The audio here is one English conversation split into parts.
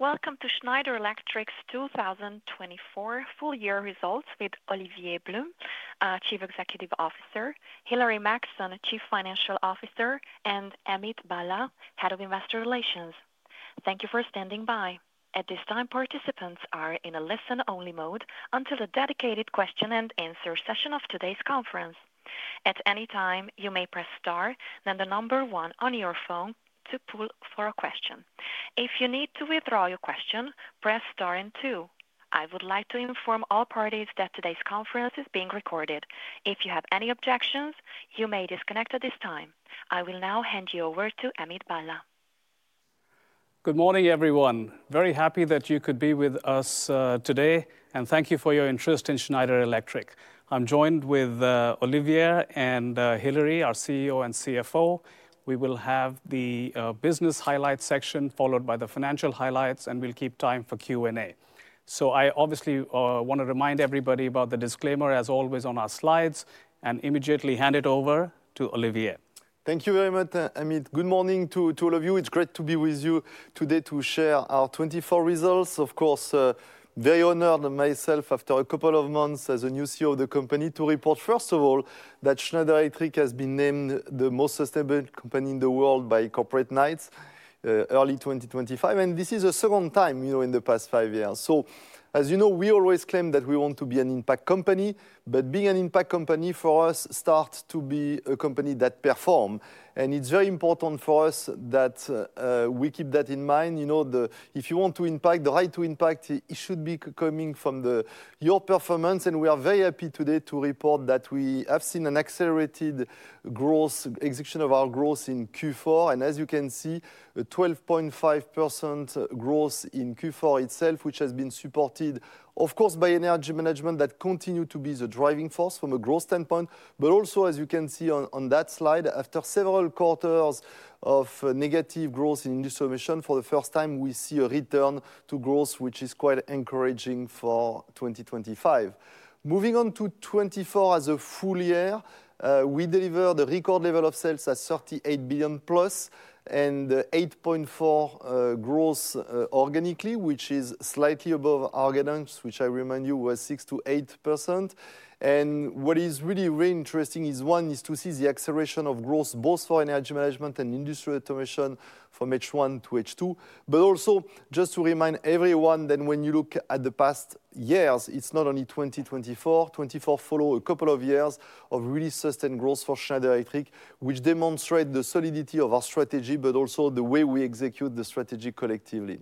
Welcome to Schneider Electric's 2024 full-year results with Olivier Blum, Chief Executive Officer, Hilary Maxson, Chief Financial Officer, and Amit Bhalla, Head of Investor Relations. Thank you for standing by. At this time, participants are in a listen-only mode until the dedicated question-and-answer session of today's conference. At any time, you may press star and the number one on your phone to pull for a question. If you need to withdraw your question, press star and two. I would like to inform all parties that today's conference is being recorded. If you have any objections, you may disconnect at this time. I will now hand you over to Amit Bhalla. Good morning, everyone. Very happy that you could be with us today, and thank you for your interest in Schneider Electric. I'm joined with Olivier and Hilary, our CEO and CFO. We will have the business highlights section followed by the financial highlights, and we'll keep time for Q&A. So I obviously want to remind everybody about the disclaimer, as always, on our slides, and immediately hand it over to Olivier. Thank you very much, Amit. Good morning to all of you. It's great to be with you today to share our 2024 results. Of course, very honored myself, after a couple of months as a new CEO of the company, to report, first of all, that Schneider Electric has been named the most sustainable company in the world by Corporate Knights early 2025, and this is the second time in the past five years, so as you know, we always claim that we want to be an impact company, but being an impact company for us starts to be a company that performs, and it's very important for us that we keep that in mind. If you want to impact, the right to impact, it should be coming from your performance. We are very happy today to report that we have seen an accelerated growth, execution of our growth in Q4. As you can see, a 12.5% growth in Q4 itself, which has been supported, of course, by Energy Management that continues to be the driving force from a growth standpoint. Also, as you can see on that slide, after several quarters of negative growth in distribution, for the first time, we see a return to growth, which is quite encouraging for 2025. Moving on to 2024 as a full year, we delivered a record level of sales at 38+ billion and 8.4% growth organically, which is slightly above our guidance, which I remind you was 6%-8%. What is really, really interesting is, one, is to see the acceleration of growth both for Energy Management and Industrial Automation from H1 to H2. But also, just to remind everyone that when you look at the past years, it's not only 2024. 2024 followed a couple of years of really sustained growth for Schneider Electric, which demonstrates the solidity of our strategy, but also the way we execute the strategy collectively.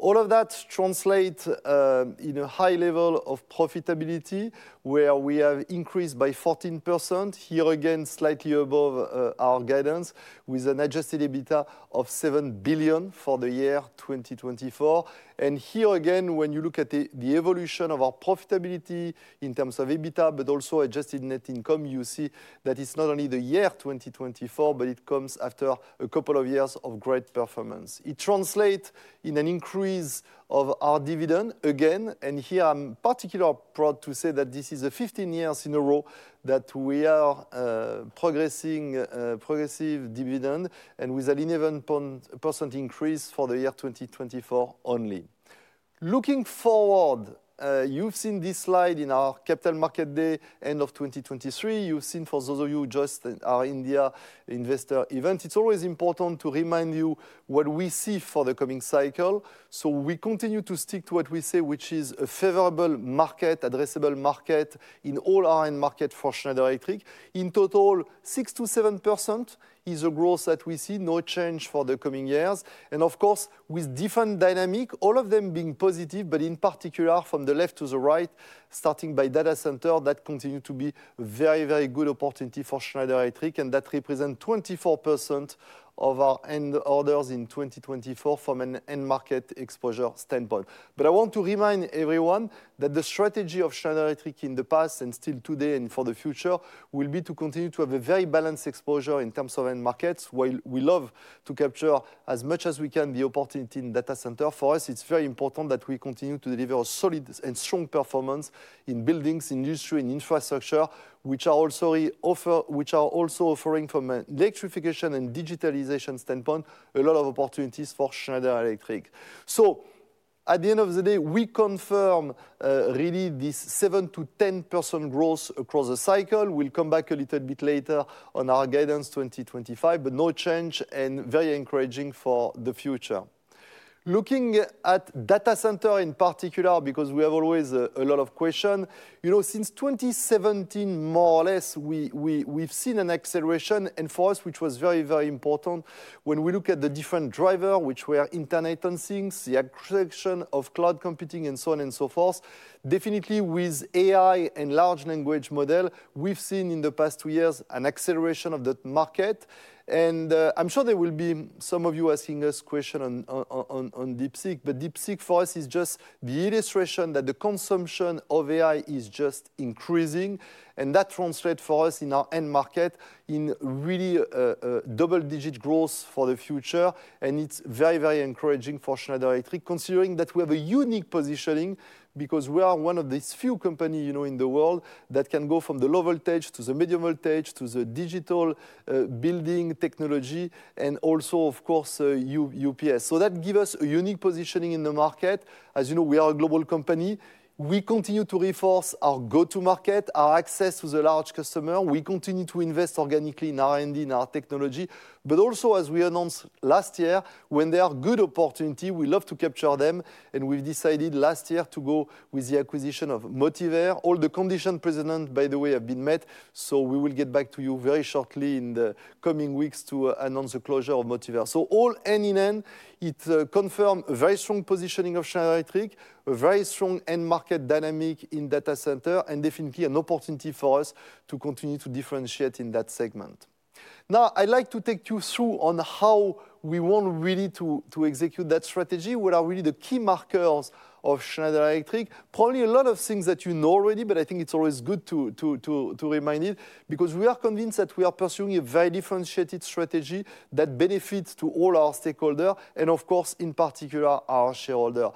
All of that translates in a high level of profitability, where we have increased by 14%, here again, slightly above our guidance, with an adjusted EBITDA of 7 billion for the year 2024. And here again, when you look at the evolution of our profitability in terms of EBITDA, but also adjusted net income, you see that it's not only the year 2024, but it comes after a couple of years of great performance. It translates in an increase of our dividend again. Here, I'm particularly proud to say that this is the 15th year in a row that we are proposing a progressive dividend and with an 11% increase for the year 2024 only. Looking forward, you've seen this slide in our Capital Markets Day end of 2023. You've seen for those of you who just our India investor event. It's always important to remind you what we see for the coming cycle. We continue to stick to what we say, which is a favorable, addressable market in all our end markets for Schneider Electric. In total, 6%-7% is the growth that we see, no change for the coming years. Of course, with different dynamics, all of them being positive, but in particular from the left to the right, starting by Data Center, that continues to be a very, very good opportunity for Schneider Electric, and that represents 24% of our end orders in 2024 from an end market exposure standpoint. I want to remind everyone that the strategy of Schneider Electric in the past and still today and for the future will be to continue to have a very balanced exposure in terms of end markets, while we love to capture as much as we can the opportunity in Data Center. For us, it's very important that we continue to deliver a solid and strong performance in buildings, industry, and infrastructure, which are also offering from an electrification and digitalization standpoint a lot of opportunities for Schneider Electric. At the end of the day, we confirm really this 7%-10% growth across the cycle. We'll come back a little bit later on our guidance 2025, but no change and very encouraging for the future. Looking at Data Center in particular, because we have always a lot of questions. Since 2017, more or less, we've seen an acceleration. For us, which was very, very important when we look at the different drivers, which were Internet of Things, the acquisition of cloud computing, and so on and so forth. Definitely, with AI and large language models, we've seen in the past two years an acceleration of that market. I'm sure there will be some of you asking us questions on DeepSeek, but DeepSeek for us is just the illustration that the consumption of AI is just increasing. And that translates for us in our end market in really double-digit growth for the future. And it's very, very encouraging for Schneider Electric, considering that we have a unique positioning because we are one of the few companies in the world that can go from the low voltage to the medium voltage to the digital building technology, and also, of course, UPS. So that gives us a unique positioning in the market. As you know, we are a global company. We continue to reinforce our go-to-market, our access to the large customer. We continue to invest organically in R&D and our technology. But also, as we announced last year, when there are good opportunities, we love to capture them. And we've decided last year to go with the acquisition of Motivair. All the conditions presented, by the way, have been met. We will get back to you very shortly in the coming weeks to announce the closure of Motivair. All in all, end to end, it confirms a very strong positioning of Schneider Electric, a very strong end market dynamic in Data Center, and definitely an opportunity for us to continue to differentiate in that segment. Now, I'd like to take you through how we want really to execute that strategy. What are really the key markers of Schneider Electric? Probably a lot of things that you know already, but I think it's always good to remind it because we are convinced that we are pursuing a very differentiated strategy that benefits all our stakeholders and, of course, in particular, our shareholders.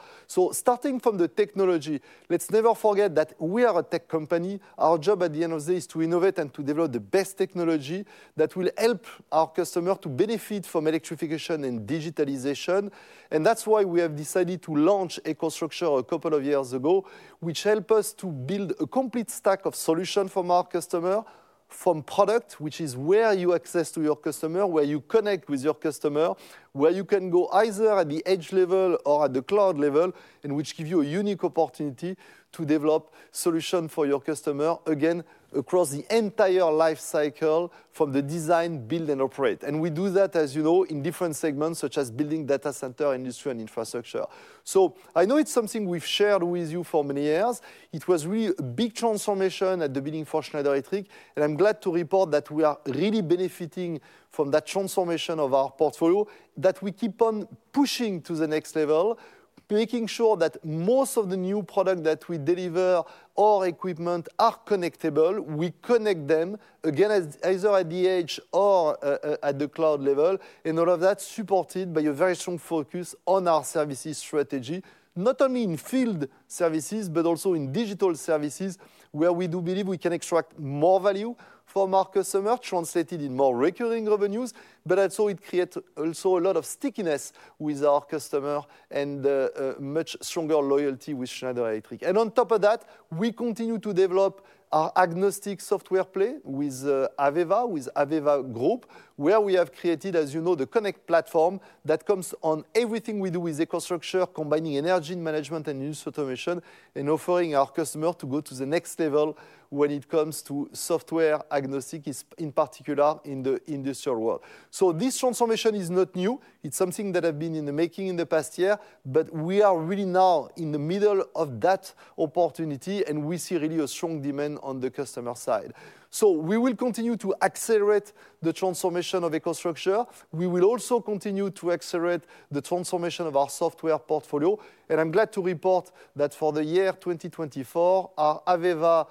Starting from the technology, let's never forget that we are a tech company. Our job at the end of the day is to innovate and to develop the best technology that will help our customers to benefit from electrification and digitalization, and that's why we have decided to launch EcoStruxure a couple of years ago, which helps us to build a complete stack of solutions for our customers from product, which is where you access your customers, where you connect with your customers, where you can go either at the edge level or at the cloud level, and which gives you a unique opportunity to develop solutions for your customers, again, across the entire life cycle from the design, build, and operate, and we do that, as you know, in different segments, such as Building, Data Center, Industry, and Infrastructure, so I know it's something we've shared with you for many years. It was really a big transformation at the beginning for Schneider Electric, and I'm glad to report that we are really benefiting from that transformation of our portfolio, that we keep on pushing to the next level, making sure that most of the new products that we deliver or equipment are connectable. We connect them, again, either at the edge or at the cloud level, and all of that supported by a very strong focus on our services strategy, not only in field services, but also in digital services, where we do believe we can extract more value from our customers, translated in more recurring revenues, but also it creates a lot of stickiness with our customers and a much stronger loyalty with Schneider Electric. On top of that, we continue to develop our agnostic software play with AVEVA, with AVEVA Group, where we have created, as you know, the CONNECT platform that comes on everything we do with EcoStruxure, combining Energy Management and Industrial Automation and offering our customers to go to the next level when it comes to software agnostic, in particular in the industrial world. This transformation is not new. It's something that has been in the making in the past year. We are really now in the middle of that opportunity, and we see really a strong demand on the customer side. We will continue to accelerate the transformation of EcoStruxure. We will also continue to accelerate the transformation of our software portfolio. I'm glad to report that for the year 2024, our AVEVA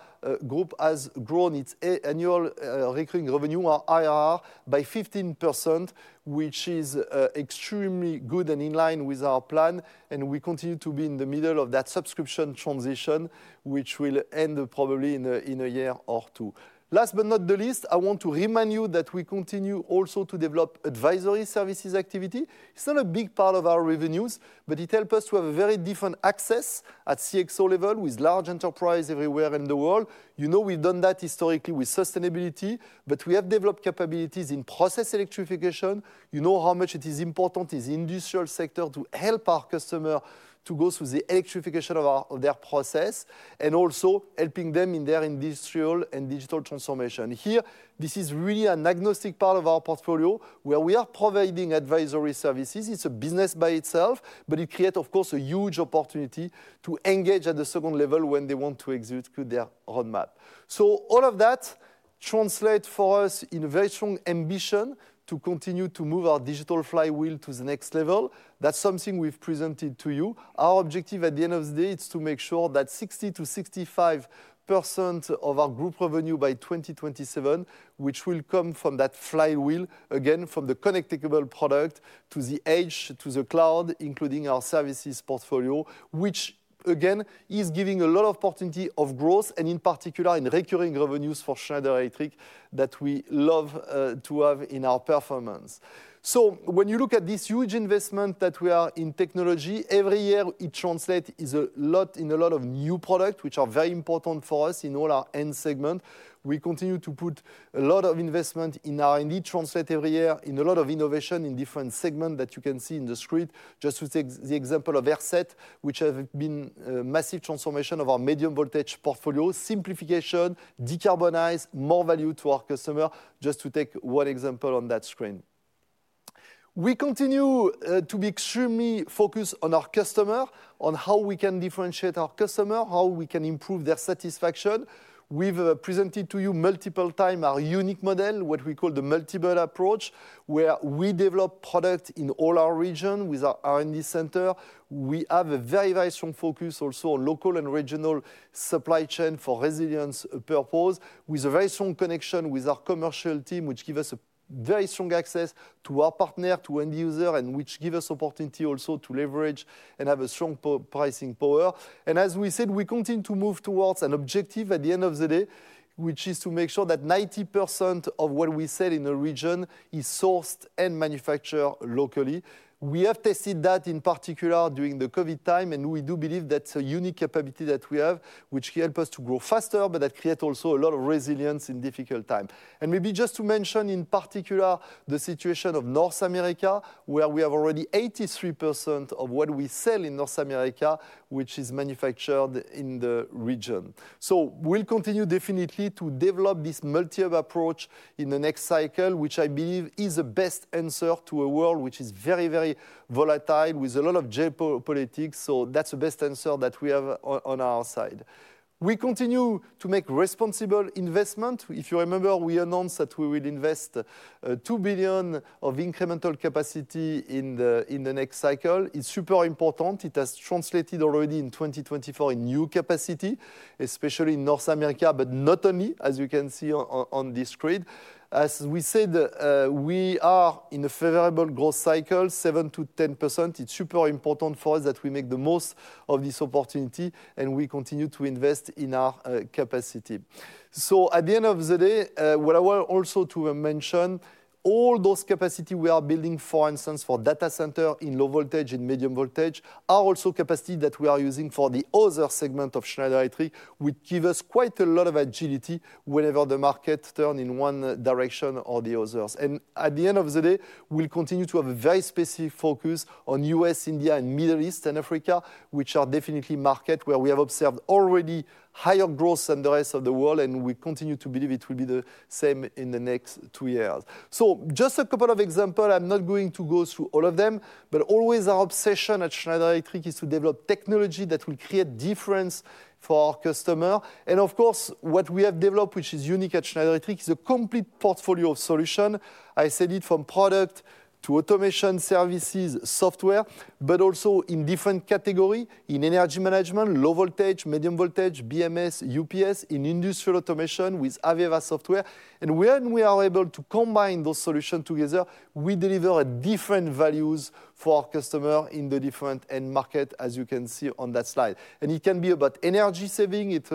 Group has grown its annual recurring revenue, our ARR, by 15%, which is extremely good and in line with our plan. We continue to be in the middle of that subscription transition, which will end probably in a year or two. Last but not the least, I want to remind you that we continue also to develop advisory services activity. It's not a big part of our revenues, but it helps us to have a very different access at CXO level with large enterprises everywhere in the world. You know we've done that historically with sustainability, but we have developed capabilities in process electrification. You know how much it is important in the industrial sector to help our customers to go through the electrification of their process and also helping them in their industrial and digital transformation. Here, this is really an agnostic part of our portfolio, where we are providing advisory services. It's a business by itself, but it creates, of course, a huge opportunity to engage at the second level when they want to execute their roadmap. So all of that translates for us in a very strong ambition to continue to move our Digital Flywheel to the next level. That's something we've presented to you. Our objective at the end of the day is to make sure that 60%-65% of our group revenue by 2027, which will come from that flywheel, again, from the connectable product to the edge, to the cloud, including our services portfolio, which, again, is giving a lot of opportunity of growth, and in particular in recurring revenues for Schneider Electric that we love to have in our performance. So when you look at this huge investment that we are in technology, every year it translates in a lot of new products, which are very important for us in all our end segment. We continue to put a lot of investment in R&D, translate every year in a lot of innovation in different segments that you can see in the screen. Just to take the example of AirSeT, which has been a massive transformation of our medium voltage portfolio, simplification, decarbonize, more value to our customers, just to take one example on that screen. We continue to be extremely focused on our customers, on how we can differentiate our customers, how we can improve their satisfaction. We've presented to you multiple times our unique model, what we call the Multi-Hub approach, where we develop products in all our region with our R&D center. We have a very, very strong focus also on local and regional supply chain for resilience purposes, with a very strong connection with our commercial team, which gives us a very strong access to our partners, to end users, and which gives us opportunity also to leverage and have a strong pricing power, and as we said, we continue to move towards an objective at the end of the day, which is to make sure that 90% of what we sell in the region is sourced and manufactured locally. We have tested that in particular during the COVID time, and we do believe that's a unique capability that we have, which helps us to grow faster, but that creates also a lot of resilience in difficult times. And maybe just to mention in particular the situation of North America, where we have already 83% of what we sell in North America, which is manufactured in the region. So we'll continue definitely to develop this Multi-Hub approach in the next cycle, which I believe is the best answer to a world which is very, very volatile with a lot of geopolitics. So that's the best answer that we have on our side. We continue to make responsible investment. If you remember, we announced that we will invest 2 billion of incremental capacity in the next cycle. It's super important. It has translated already in 2024 in new capacity, especially in North America, but not only, as you can see on this screen. As we said, we are in a favorable growth cycle, 7%-10%. It's super important for us that we make the most of this opportunity, and we continue to invest in our capacity. So at the end of the day, what I want also to mention, all those capacities we are building, for instance, for Data Center in low voltage and medium voltage, are also capacities that we are using for the other segment of Schneider Electric, which gives us quite a lot of agility whenever the market turns in one direction or the others, and at the end of the day, we'll continue to have a very specific focus on the U.S., India, and Middle East and Africa, which are definitely markets where we have observed already higher growth than the rest of the world, and we continue to believe it will be the same in the next two years, so just a couple of examples. I'm not going to go through all of them, but always our obsession at Schneider Electric is to develop technology that will create difference for our customers, and of course, what we have developed, which is unique at Schneider Electric, is a complete portfolio of solutions. I said it from product to automation services, software, but also in different categories in Energy Management, Low Voltage, Medium Voltage, BMS, UPS, in Industrial Automation with AVEVA software, and when we are able to combine those solutions together, we deliver different values for our customers in the different end markets, as you can see on that slide, and it can be about energy saving. It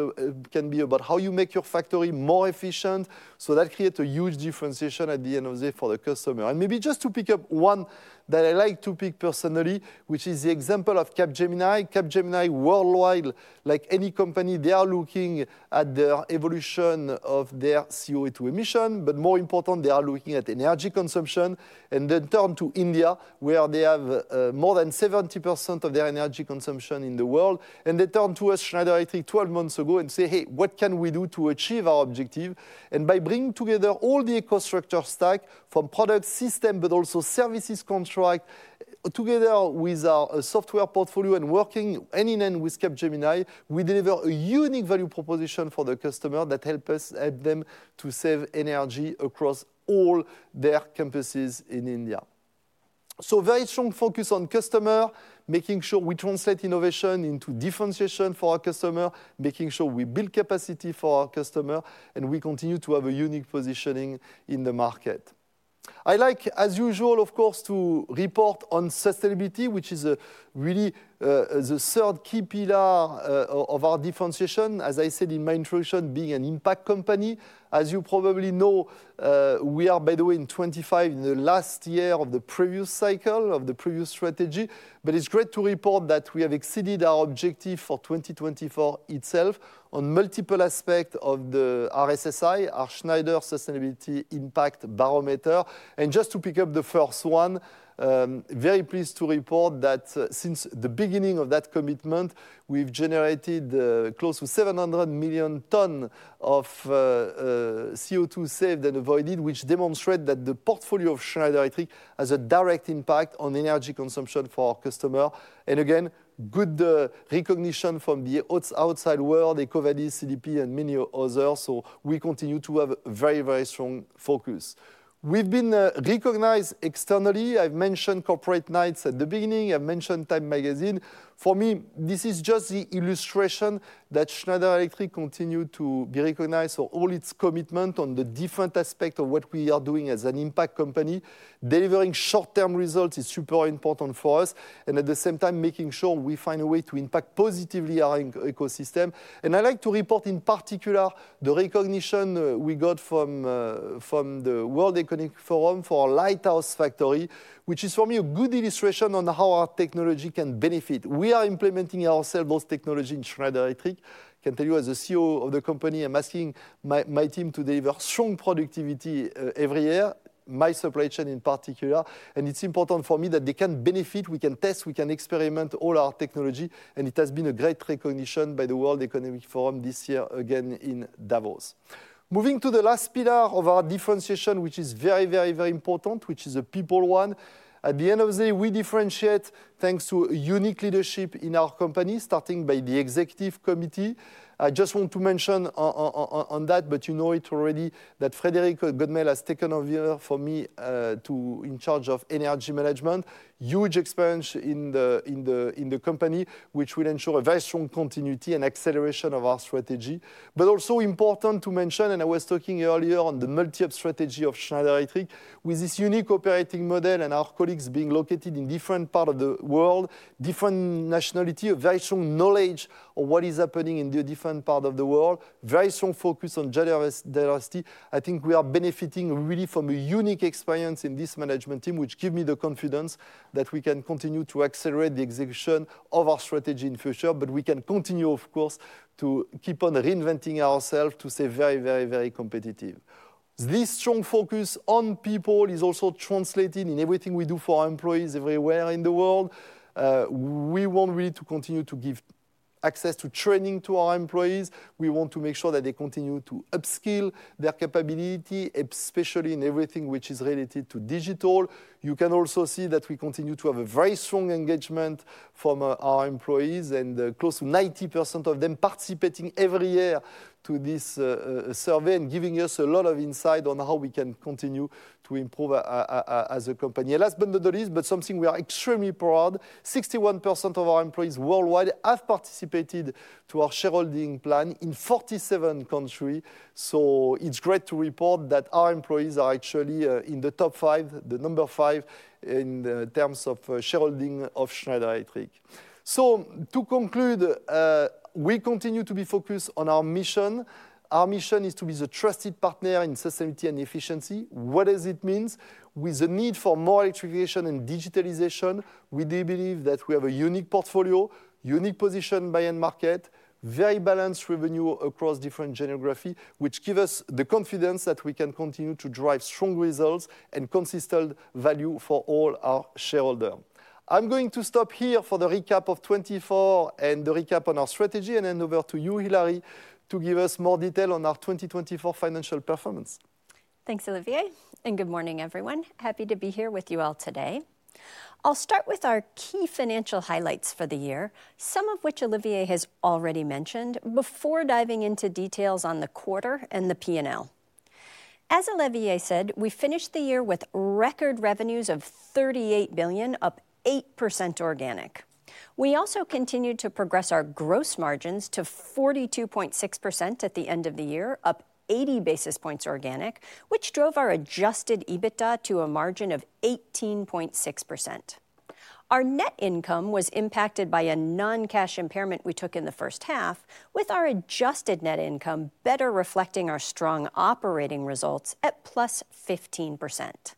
can be about how you make your factory more efficient, so that creates a huge differentiation at the end of the day for the customer. Maybe just to pick up one that I like to pick personally, which is the example of Capgemini. Capgemini worldwide, like any company, they are looking at the evolution of their CO2 emissions. But more important, they are looking at energy consumption. They turn to India, where they have more than 70% of their energy consumption in the world. They turned to us, Schneider Electric, 12 months ago and said, "Hey, what can we do to achieve our objective?" By bringing together all the EcoStruxure stack from product systems, but also services contracts, together with our software portfolio and working end-to-end with Capgemini, we deliver a unique value proposition for the customer that helps us help them to save energy across all their campuses in India. So very strong focus on customer, making sure we translate innovation into differentiation for our customers, making sure we build capacity for our customers, and we continue to have a unique positioning in the market. I like, as usual, of course, to report on sustainability, which is really the third key pillar of our differentiation, as I said in my introduction, being an impact company. As you probably know, we are, by the way, in 2025 in the last year of the previous cycle of the previous strategy. But it's great to report that we have exceeded our objective for 2024 itself on multiple aspects of the SSI, our Schneider Sustainability Impact Barometer. Just to pick up the first one, I'm very pleased to report that since the beginning of that commitment, we've generated close to 700 million tonne of CO2 saved and avoided, which demonstrates that the portfolio of Schneider Electric has a direct impact on energy consumption for our customers. Again, good recognition from the outside world, EcoVadis, CDP, and many others. We continue to have a very, very strong focus. We've been recognized externally. I've mentioned Corporate Knights at the beginning. I've mentioned Time Magazine. For me, this is just the illustration that Schneider Electric continues to be recognized for all its commitment on the different aspects of what we are doing as an impact company. Delivering short-term results is super important for us, and at the same time, making sure we find a way to impact positively our ecosystem. I like to report in particular the recognition we got from the World Economic Forum for a lighthouse factory, which is for me a good illustration on how our technology can benefit. We are implementing our Celonis technology in Schneider Electric. I can tell you, as the COO of the company, I'm asking my team to deliver strong productivity every year, my supply chain in particular. It's important for me that they can benefit. We can test, we can experiment all our technology. It has been a great recognition by the World Economic Forum this year, again, in Davos. Moving to the last pillar of our differentiation, which is very, very, very important, which is the people one. At the end of the day, we differentiate thanks to unique leadership in our company, starting by the executive committee. I just want to mention on that, but you know it already that Frédéric Godemel has taken over for me in charge of Energy Management, huge experience in the company, which will ensure a very strong continuity and acceleration of our strategy. But also important to mention, and I was talking earlier on the multi-op strategy of Schneider Electric, with this unique operating model and our colleagues being located in different parts of the world, different nationalities, a very strong knowledge of what is happening in the different parts of the world, very strong focus on diversity. I think we are benefiting really from a unique experience in this management team, which gives me the confidence that we can continue to accelerate the execution of our strategy in the future. But we can continue, of course, to keep on reinventing ourselves to stay very, very, very competitive. This strong focus on people is also translated in everything we do for our employees everywhere in the world. We want really to continue to give access to training to our employees. We want to make sure that they continue to upskill their capability, especially in everything which is related to digital. You can also see that we continue to have a very strong engagement from our employees, and close to 90% of them participating every year to this survey and giving us a lot of insight on how we can continue to improve as a company, and last but not the least, but something we are extremely proud of, 61% of our employees worldwide have participated in our shareholding plan in 47 countries, so it's great to report that our employees are actually in the top five, the number five in terms of shareholding of Schneider Electric. So to conclude, we continue to be focused on our mission. Our mission is to be the trusted partner in sustainability and efficiency. What does it mean? With the need for more electrification and digitalization, we do believe that we have a unique portfolio, unique position by end market, very balanced revenue across different geography, which gives us the confidence that we can continue to drive strong results and consistent value for all our shareholders. I'm going to stop here for the recap of 2024 and the recap on our strategy, and hand over to you, Hilary, to give us more detail on our 2024 financial performance. Thanks, Olivier. And good morning, everyone. Happy to be here with you all today. I'll start with our key financial highlights for the year, some of which Olivier has already mentioned, before diving into details on the quarter and the P&L. As Olivier said, we finished the year with record revenues of 38 billion, up 8% organic. We also continued to progress our gross margins to 42.6% at the end of the year, up 80 basis points organic, which drove our adjusted EBITDA to a margin of 18.6%. Our net income was impacted by a non-cash impairment we took in the first half, with our adjusted net income better reflecting our strong operating results at +15%.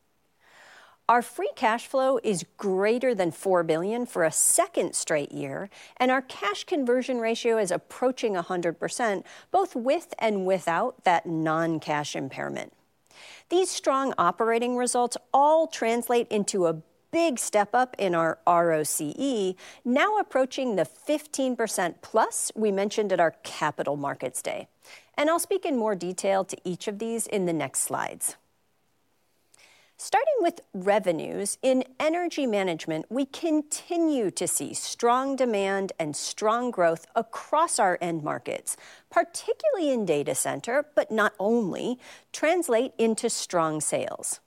Our free cash flow is greater than 4 billion for a second straight year, and our cash conversion ratio is approaching 100%, both with and without that non-cash impairment. These strong operating results all translate into a big step up in our ROCE, now approaching the 15%+ we mentioned at our Capital Markets Day. And I'll speak in more detail to each of these in the next slides. Starting with revenues, in Energy Management, we continue to see strong demand and strong growth across our end markets, particularly in Data Center, but not only, translate into strong sales.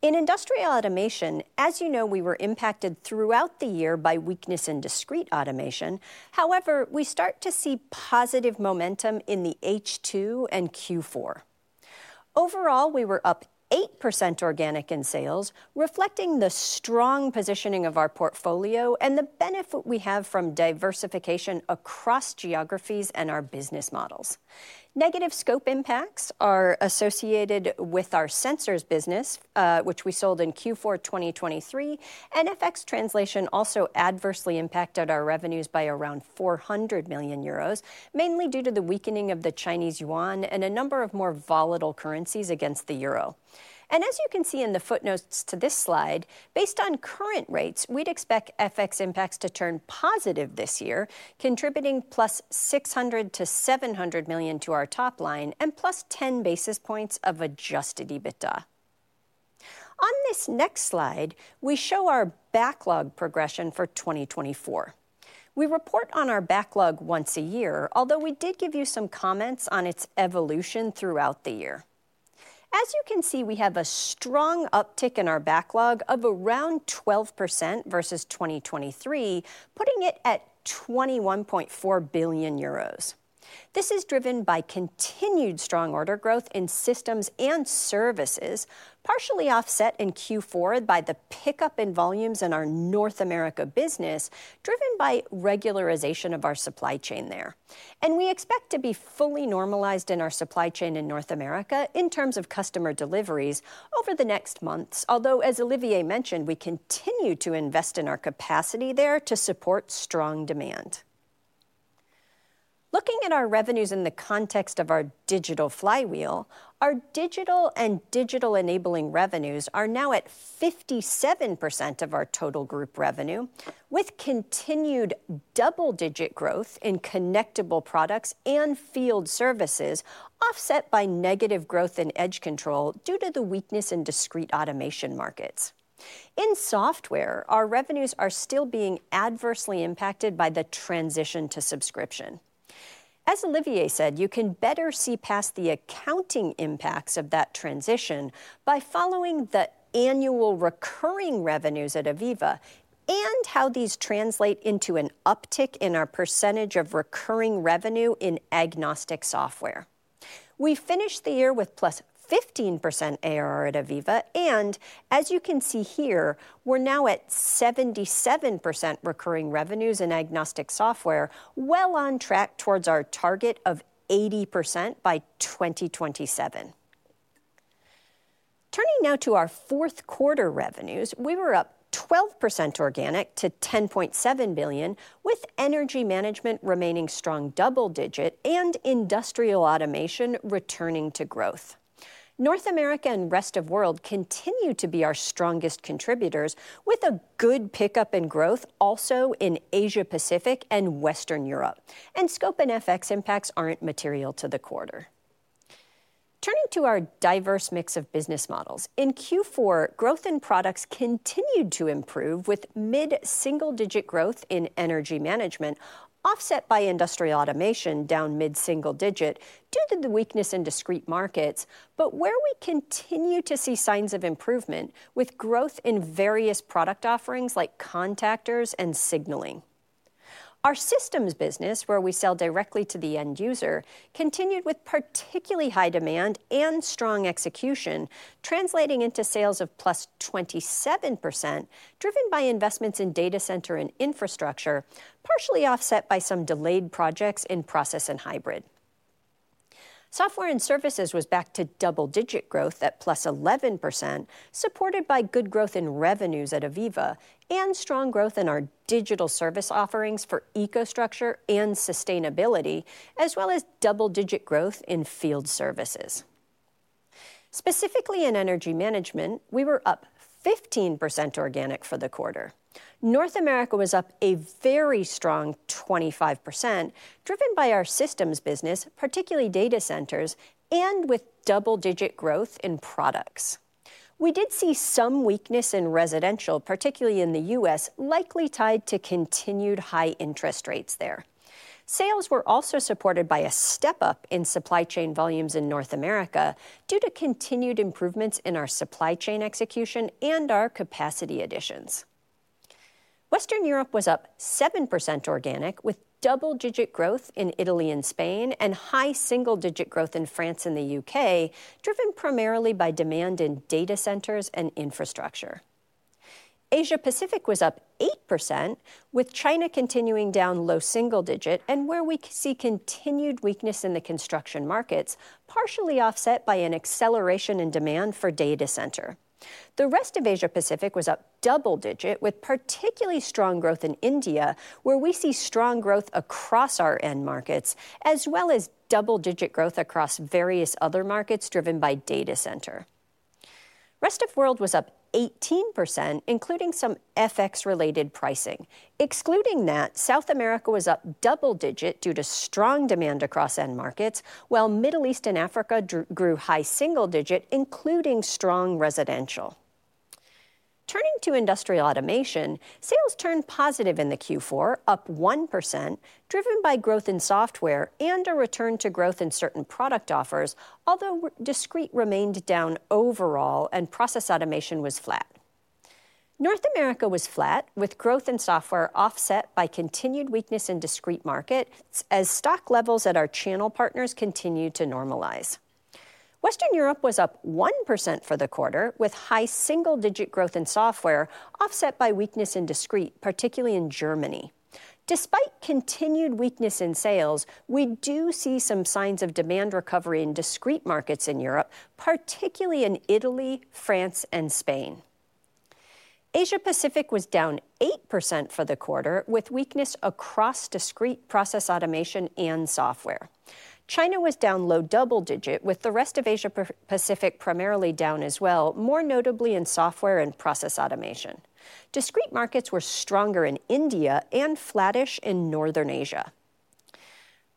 In Industrial Automation, as you know, we were impacted throughout the year by weakness in Discrete Automation. However, we start to see positive momentum in the H2 and Q4. Overall, we were up 8% organic in sales, reflecting the strong positioning of our portfolio and the benefit we have from diversification across geographies and our business models. Negative scope impacts are associated with our Sensors business, which we sold in Q4 2023. FX translation also adversely impacted our revenues by around 400 million euros, mainly due to the weakening of the Chinese yuan and a number of more volatile currencies against the euro. As you can see in the footnotes to this slide, based on current rates, we'd expect FX impacts to turn positive this year, contributing +600 million-700 million to our top line and +10 basis points of adjusted EBITDA. On this next slide, we show our backlog progression for 2024. We report on our backlog once a year, although we did give you some comments on its evolution throughout the year. As you can see, we have a strong uptick in our backlog of around 12% versus 2023, putting it at 21.4 billion euros. This is driven by continued strong order growth in Systems and Services, partially offset in Q4 by the pickup in volumes in our North America business, driven by regularization of our supply chain there. And we expect to be fully normalized in our supply chain in North America in terms of customer deliveries over the next months, although, as Olivier mentioned, we continue to invest in our capacity there to support strong demand. Looking at our revenues in the context of our digital flywheel, our digital and digital enabling revenues are now at 57% of our total group revenue, with continued double-digit growth in connectable products and field services, offset by negative growth in edge control due to the weakness in Discrete Automation markets. In software, our revenues are still being adversely impacted by the transition to subscription. As Olivier said, you can better see past the accounting impacts of that transition by following the annual recurring revenues at AVEVA and how these translate into an uptick in our percentage of recurring revenue in agnostic software. We finished the year with +15% ARR at AVEVA, and as you can see here, we're now at 77% recurring revenues in agnostic software, well on track towards our target of 80% by 2027. Turning now to our fourth quarter revenues, we were up 12% organic to 10.7 billion, with Energy Management remaining strong double-digit and Industrial Automation returning to growth. North America and rest of the world continue to be our strongest contributors, with a good pickup in growth also in Asia-Pacific and Western Europe, and scope and FX impacts aren't material to the quarter. Turning to our diverse mix of business models, in Q4, growth in products continued to improve, with mid-single-digit growth in Energy Management, offset by Industrial Automation down mid-single-digit due to the weakness in Discrete markets, but where we continue to see signs of improvement with growth in various product offerings like contactors and signaling. Our Systems business, where we sell directly to the end user, continued with particularly high demand and strong execution, translating into sales of +27%, driven by investments in Data Center and Infrastructure, partially offset by some delayed projects in process and hybrid. Software and services was back to double-digit growth at +11%, supported by good growth in revenues at AVEVA and strong growth in our digital service offerings for EcoStruxure and sustainability, as well as double-digit growth in field services. Specifically in Energy Management, we were up 15% organic for the quarter. North America was up a very strong 25%, driven by our Systems business, particularly Data Centers, and with double-digit growth in products. We did see some weakness in residential, particularly in the U.S., likely tied to continued high interest rates there. Sales were also supported by a step up in supply chain volumes in North America due to continued improvements in our supply chain execution and our capacity additions. Western Europe was up 7% organic, with double-digit growth in Italy and Spain and high single-digit growth in France and the UK, driven primarily by demand in Data Centers and Infrastructure. Asia-Pacific was up 8%, with China continuing down low single-digit and where we see continued weakness in the construction markets, partially offset by an acceleration in demand for Data Centers. The rest of Asia-Pacific was up double-digit, with particularly strong growth in India, where we see strong growth across our end markets, as well as double-digit growth across various other markets driven by Data Center. Rest of the world was up 18%, including some FX-related pricing. Excluding that, South America was up double-digit due to strong demand across end markets, while Middle East and Africa grew high single-digit, including strong residential. Turning to Industrial Automation, sales turned positive in the Q4, up 1%, driven by growth in software and a return to growth in certain product offers, although Discrete remained down overall and process automation was flat. North America was flat, with growth in software offset by continued weakness in Discrete markets as stock levels at our channel partners continued to normalize. Western Europe was up 1% for the quarter, with high single-digit growth in software offset by weakness in Discrete, particularly in Germany. Despite continued weakness in sales, we do see some signs of demand recovery in Discrete markets in Europe, particularly in Italy, France, and Spain. Asia-Pacific was down 8% for the quarter, with weakness across Discrete process automation and software. China was down low double-digit, with the rest of Asia-Pacific primarily down as well, more notably in software and process automation. Discrete markets were stronger in India and flattish in Northern Asia.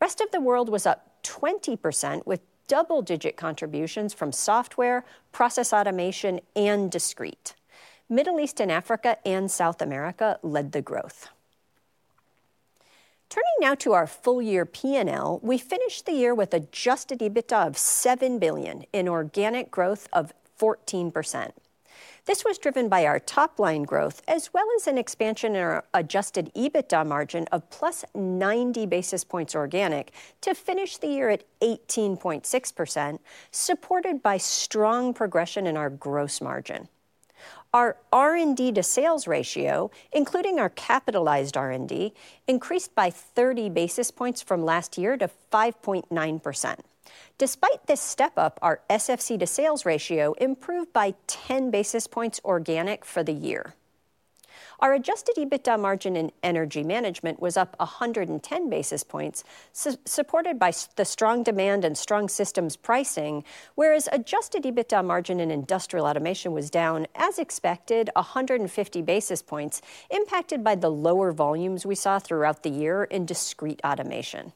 Rest of the world was up 20%, with double-digit contributions from software, process automation, and Discrete. Middle East and Africa and South America led the growth. Turning now to our full-year P&L, we finished the year with adjusted EBITDA of 7 billion and organic growth of 14%. This was driven by our top line growth, as well as an expansion in our Adjusted EBITDA margin of +90 basis points organic to finish the year at 18.6%, supported by strong progression in our gross margin. Our R&D to sales ratio, including our capitalized R&D, increased by 30 basis points from last year to 5.9%. Despite this step up, our SFC to sales ratio improved by 10 basis points organic for the year. Our Adjusted EBITDA margin in Energy Management was up 110 basis points, supported by the strong demand and strong systems pricing, whereas Adjusted EBITDA margin in Industrial Automation was down, as expected, 150 basis points, impacted by the lower volumes we saw throughout the year in Discrete Automation.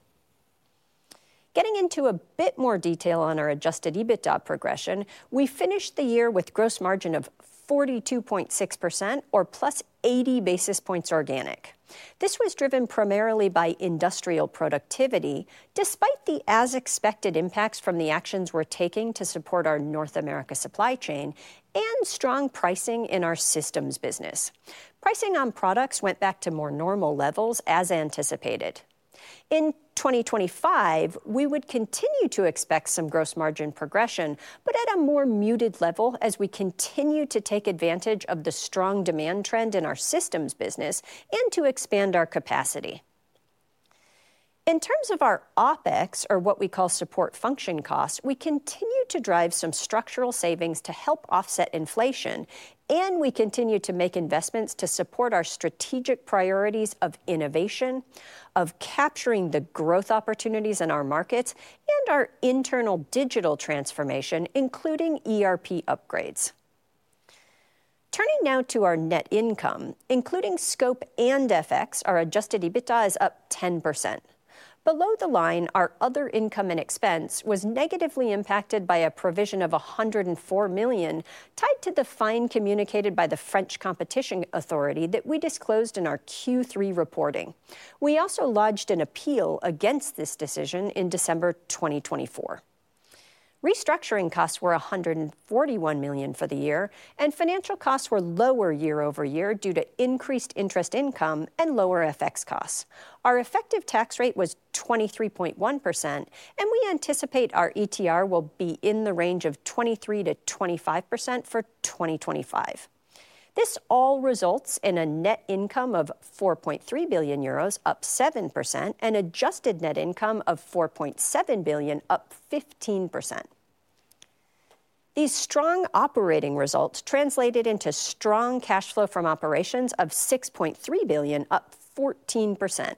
Getting into a bit more detail on our Adjusted EBITDA progression, we finished the year with gross margin of 42.6% or +80 basis points organic. This was driven primarily by industrial productivity, despite the as-expected impacts from the actions we're taking to support our North America supply chain and strong pricing in our Systems business. Pricing on products went back to more normal levels, as anticipated. In 2025, we would continue to expect some gross margin progression, but at a more muted level as we continue to take advantage of the strong demand trend in our Systems business and to expand our capacity. In terms of our OpEx, or what we call support function costs, we continue to drive some structural savings to help offset inflation, and we continue to make investments to support our strategic priorities of innovation, of capturing the growth opportunities in our markets, and our internal digital transformation, including ERP upgrades. Turning now to our net income, including scope and FX, our Adjusted EBITDA is up 10%. Below the line, our other income and expense was negatively impacted by a provision of 104 million tied to the fine communicated by the French Competition Authority that we disclosed in our Q3 reporting. We also lodged an appeal against this decision in December 2024. Restructuring costs were 141 million for the year, and financial costs were lower year-over-year due to increased interest income and lower FX costs. Our effective tax rate was 23.1%, and we anticipate our ETR will be in the range of 23%-25% for 2025. This all results in a net income of 4.3 billion euros, up 7%, and adjusted net income of 4.7 billion, up 15%. These strong operating results translated into strong cash flow from operations of 6.3 billion, up 14%.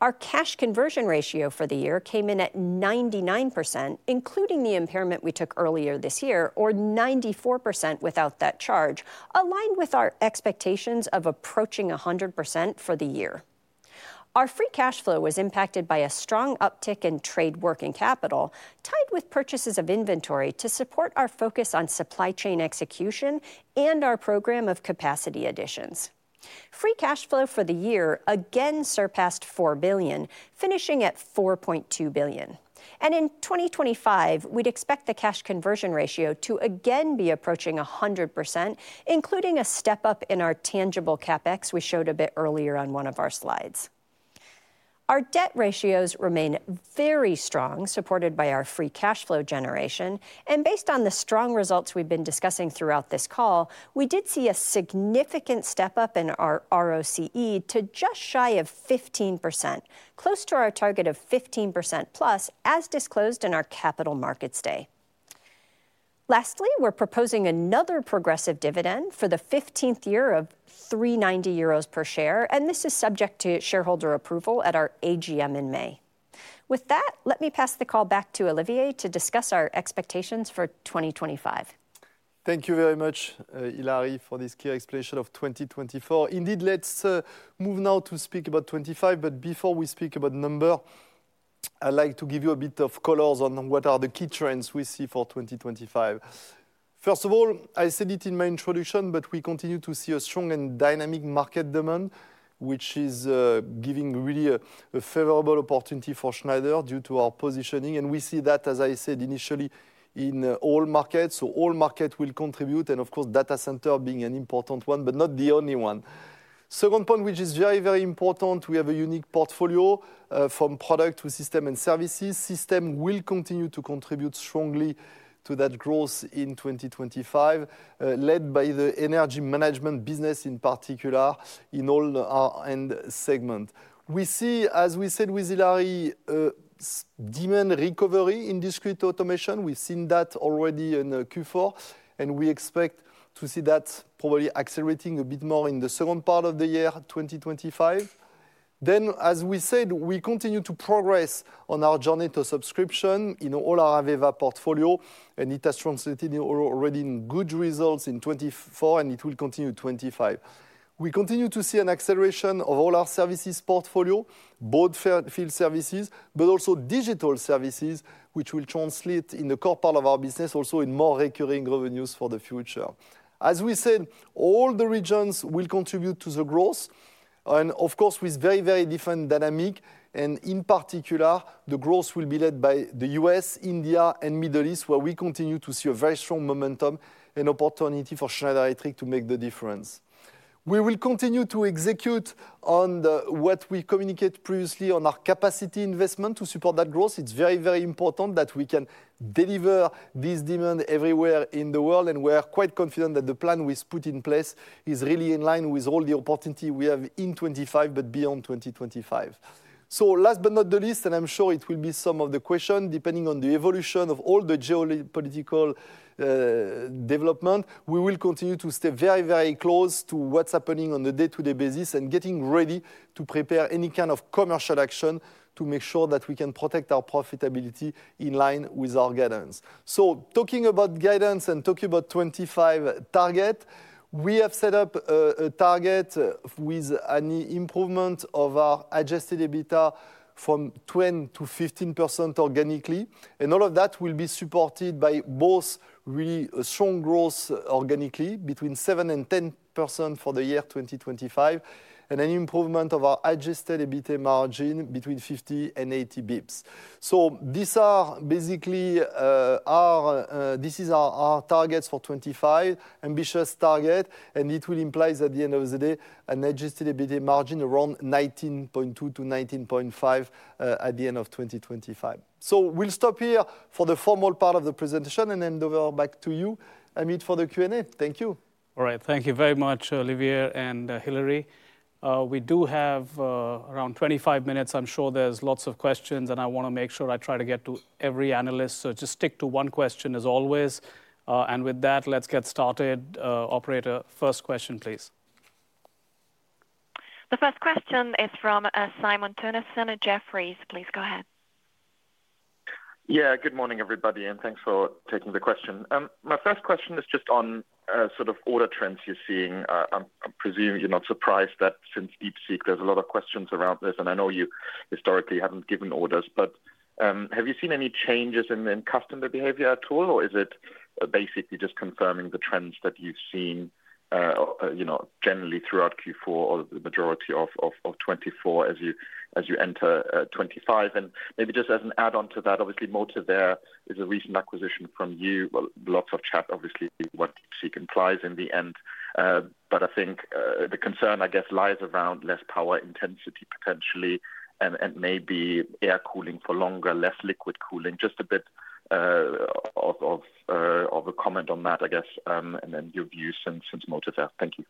Our cash conversion ratio for the year came in at 99%, including the impairment we took earlier this year, or 94% without that charge, aligned with our expectations of approaching 100% for the year. Our free cash flow was impacted by a strong uptick in trade working capital, tied with purchases of inventory to support our focus on supply chain execution and our program of capacity additions. Free cash flow for the year again surpassed 4 billion, finishing at 4.2 billion, and in 2025, we'd expect the cash conversion ratio to again be approaching 100%, including a step up in our tangible CapEx we showed a bit earlier on one of our slides. Our debt ratios remain very strong, supported by our free cash flow generation. Based on the strong results we've been discussing throughout this call, we did see a significant step up in our ROCE to just shy of 15%, close to our target of 15%+, as disclosed in our Capital Markets Day. Lastly, we're proposing another progressive dividend for the 15th year of 3.90 euros per share, and this is subject to shareholder approval at our AGM in May. With that, let me pass the call back to Olivier to discuss our expectations for 2025. Thank you very much, Hilary, for this clear explanation of 2024. Indeed, let's move now to speak about 2025, but before we speak about numbers, I'd like to give you a bit of colors on what are the key trends we see for 2025. First of all, I said it in my introduction, but we continue to see a strong and dynamic market demand, which is giving really a favorable opportunity for Schneider due to our positioning, and we see that, as I said initially, in all markets, so all markets will contribute, and of course, Data Center being an important one, but not the only one. Second point, which is very, very important, we have a unique portfolio from product to system and services. Systems will continue to contribute strongly to that growth in 2025, led by the Energy Management business in particular in all our end segments. We see, as we said with Hilary, demand recovery in Discrete Automation. We've seen that already in Q4, and we expect to see that probably accelerating a bit more in the second part of the year, 2025. As we said, we continue to progress on our journey to subscription in all our AVEVA portfolio, and it has translated already in good results in 2024, and it will continue in 2025. We continue to see an acceleration of all our services portfolio, both field services, but also digital services, which will translate in the core part of our business also in more recurring revenues for the future. As we said, all the regions will contribute to the growth, and of course, with very, very different dynamics. In particular, the growth will be led by the U.S., India, and Middle East, where we continue to see a very strong momentum and opportunity for Schneider Electric to make the difference. We will continue to execute on what we communicated previously on our capacity investment to support that growth. It's very, very important that we can deliver this demand everywhere in the world, and we are quite confident that the plan we've put in place is really in line with all the opportunity we have in 2025, but beyond 2025. So, last but not the least, and I'm sure it will be some of the questions, depending on the evolution of all the geopolitical development, we will continue to stay very, very close to what's happening on a day-to-day basis and getting ready to prepare any kind of commercial action to make sure that we can protect our profitability in line with our guidance. So, talking about guidance and talking about the 2025 target, we have set up a target with an improvement of our Adjusted EBITDA from 10% to 15% organically. And all of that will be supported by both really strong growth organically between 7% and 10% for the year 2025, and an improvement of our Adjusted EBITDA margin between 50 and 80 basis points. So, these are basically our targets for 2025, ambitious target, and it will imply at the end of the day an Adjusted EBITDA margin around 19.2% to 19.5% at the end of 2025. So, we'll stop here for the formal part of the presentation and hand over back to you, Amit, for the Q&A. Thank you. All right, thank you very much, Olivier and Hilary. We do have around 25 minutes. I'm sure there's lots of questions, and I want to make sure I try to get to every analyst. So, just stick to one question as always. And with that, let's get started. Operator, first question, please. The first question is from Simon Toennessen at Jefferies. Please go ahead. Yeah, good morning, everybody, and thanks for taking the question. My first question is just on sort of order trends you're seeing. I presume you're not surprised that since DeepSeek, there's a lot of questions around this, and I know you historically haven't given orders, but have you seen any changes in customer behavior at all, or is it basically just confirming the trends that you've seen generally throughout Q4 or the majority of 2024 as you enter 2025? And maybe just as an add-on to that, obviously, Motivair there is a recent acquisition from you. Lots of chat, obviously, what DeepSeek implies in the end. But I think the concern, I guess, lies around less power intensity potentially and maybe air cooling for longer, less liquid cooling. Just a bit of a comment on that, I guess, and then your views since Motivair there. Thank you.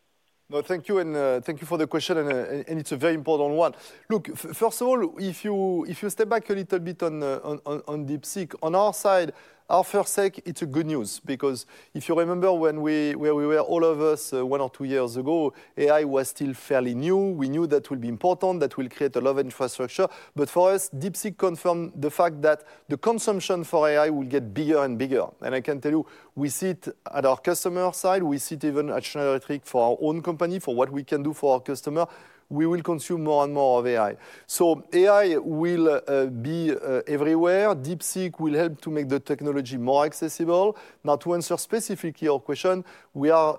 No, thank you, and thank you for the question, and it's a very important one. Look, first of all, if you step back a little bit on DeepSeek, on our side, our first take, it's good news because if you remember when we were all of us one or two years ago, AI was still fairly new. We knew that would be important, that will create a lot of infrastructure. But for us, DeepSeek confirmed the fact that the consumption for AI will get bigger and bigger. And I can tell you, we see it at our customer side. We see it even at Schneider Electric for our own company, for what we can do for our customer. We will consume more and more of AI. So, AI will be everywhere. DeepSeek will help to make the technology more accessible. Now, to answer specifically your question, we are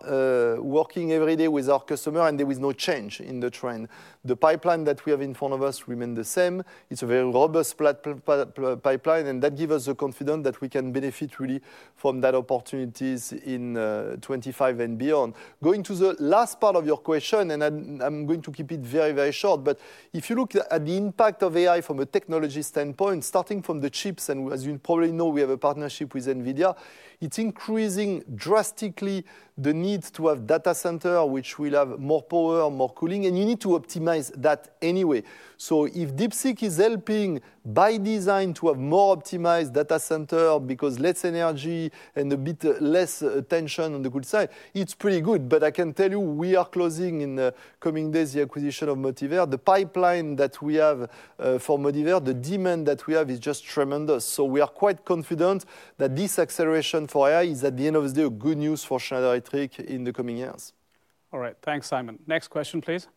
working every day with our customer, and there is no change in the trend. The pipeline that we have in front of us remains the same. It's a very robust pipeline, and that gives us the confidence that we can benefit really from that opportunities in 2025 and beyond. Going to the last part of your question, and I'm going to keep it very, very short, but if you look at the impact of AI from a technology standpoint, starting from the chips, and as you probably know, we have a partnership with NVIDIA, it's increasing drastically the need to have data centers, which will have more power, more cooling, and you need to optimize that anyway. So, if DeepSeek is helping by design to have more optimized data centers because less energy and a bit less tension on the good side, it's pretty good. But I can tell you, we are closing in the coming days the acquisition of Motivair. The pipeline that we have for Motivair, the demand that we have is just tremendous. So, we are quite confident that this acceleration for AI is, at the end of the day, good news for Schneider Electric in the coming years. All right, thanks, Simon. Next question, please.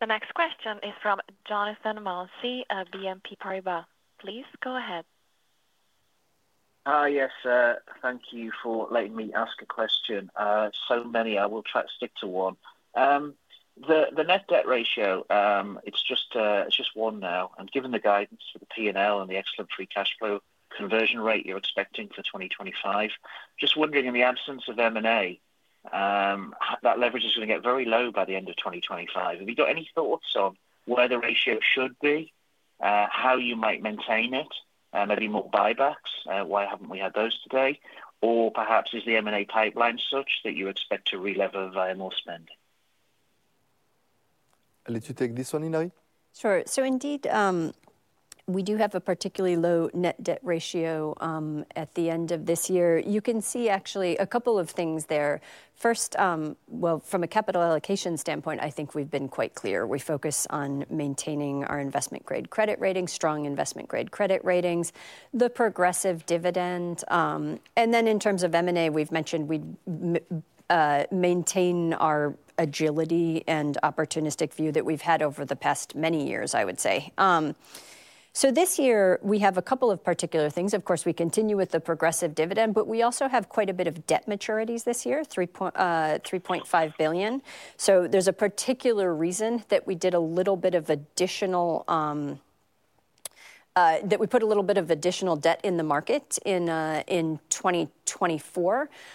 The next question is from Jonathan Mounsey of BNP Paribas. Please go ahead. Yes, thank you for letting me ask a question. So many, I will try to stick to one. The net debt ratio, it's just one now. Given the guidance for the P&L and the excellent free cash flow conversion rate you're expecting for 2025, just wondering, in the absence of M&A, that leverage is going to get very low by the end of 2025. Have you got any thoughts on where the ratio should be, how you might maintain it, maybe more buybacks? Why haven't we had those today? Or perhaps is the M&A pipeline such that you expect to relever via more spend? Let you take this one, Hilary. Sure. So, indeed, we do have a particularly low net debt ratio at the end of this year. You can see actually a couple of things there. First, well, from a capital allocation standpoint, I think we've been quite clear. We focus on maintaining our investment-grade credit ratings, strong investment-grade credit ratings, the progressive dividend. And then in terms of M&A, we've mentioned we maintain our agility and opportunistic view that we've had over the past many years, I would say. So, this year, we have a couple of particular things. Of course, we continue with the progressive dividend, but we also have quite a bit of debt maturities this year, 3.5 billion. So, there's a particular reason that we put a little bit of additional debt in the market in 2024.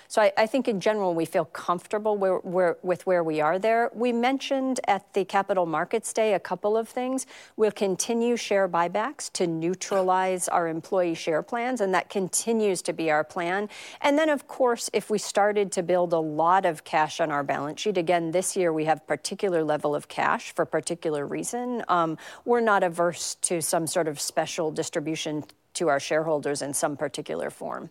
So, I think in general, we feel comfortable with where we are there. We mentioned at the Capital Markets Day a couple of things. We'll continue share buybacks to neutralize our employee share plans, and that continues to be our plan. And then, of course, if we started to build a lot of cash on our balance sheet, again, this year, we have a particular level of cash for a particular reason. We're not averse to some sort of special distribution to our shareholders in some particular form.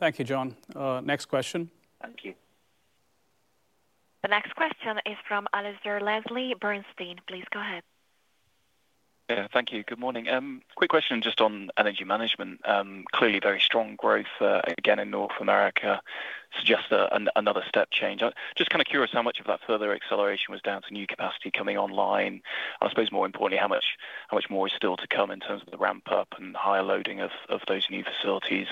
All right, thank you, Jon. Next question. Thank you. The next question is from Alasdair Leslie, Bernstein. Please go ahead. Yeah, thank you. Good morning. Quick question just on Energy Management. Clearly, very strong growth again in North America suggests another step change. Just kind of curious how much of that further acceleration was down to new capacity coming online. I suppose, more importantly, how much more is still to come in terms of the ramp-up and higher loading of those new facilities.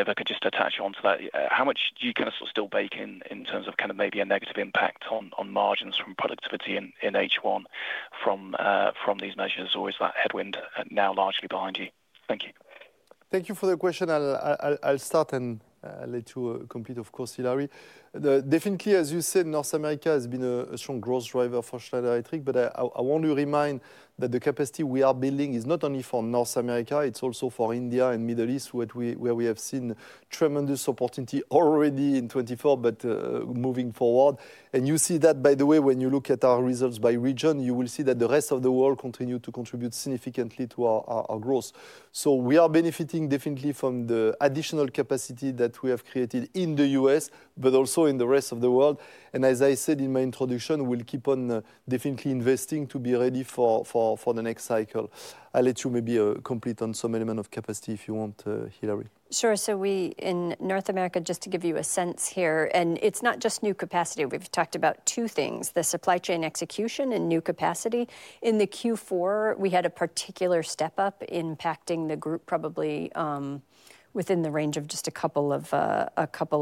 If I could just latch on to that, how much do you kind of still bake in, in terms of kind of maybe a negative impact on margins from productivity in H1 from these measures, or is that headwind now largely behind you? Thank you. Thank you for the question. I'll start and let you complete, of course, Hilary. Definitely, as you said, North America has been a strong growth driver for Schneider Electric, but I want to remind that the capacity we are building is not only for North America, it's also for India and the Middle East, where we have seen tremendous opportunity already in 2024, but moving forward. You see that, by the way, when you look at our results by region. You will see that the rest of the world continues to contribute significantly to our growth. So, we are benefiting definitely from the additional capacity that we have created in the U.S., but also in the rest of the world. And as I said in my introduction, we'll keep on definitely investing to be ready for the next cycle. I'll let you maybe complete on some element of capacity if you want, Hilary. Sure. So, in North America, just to give you a sense here, and it's not just new capacity. We've talked about two things: the supply chain execution and new capacity. In the Q4, we had a particular step-up impacting the group probably within the range of just a couple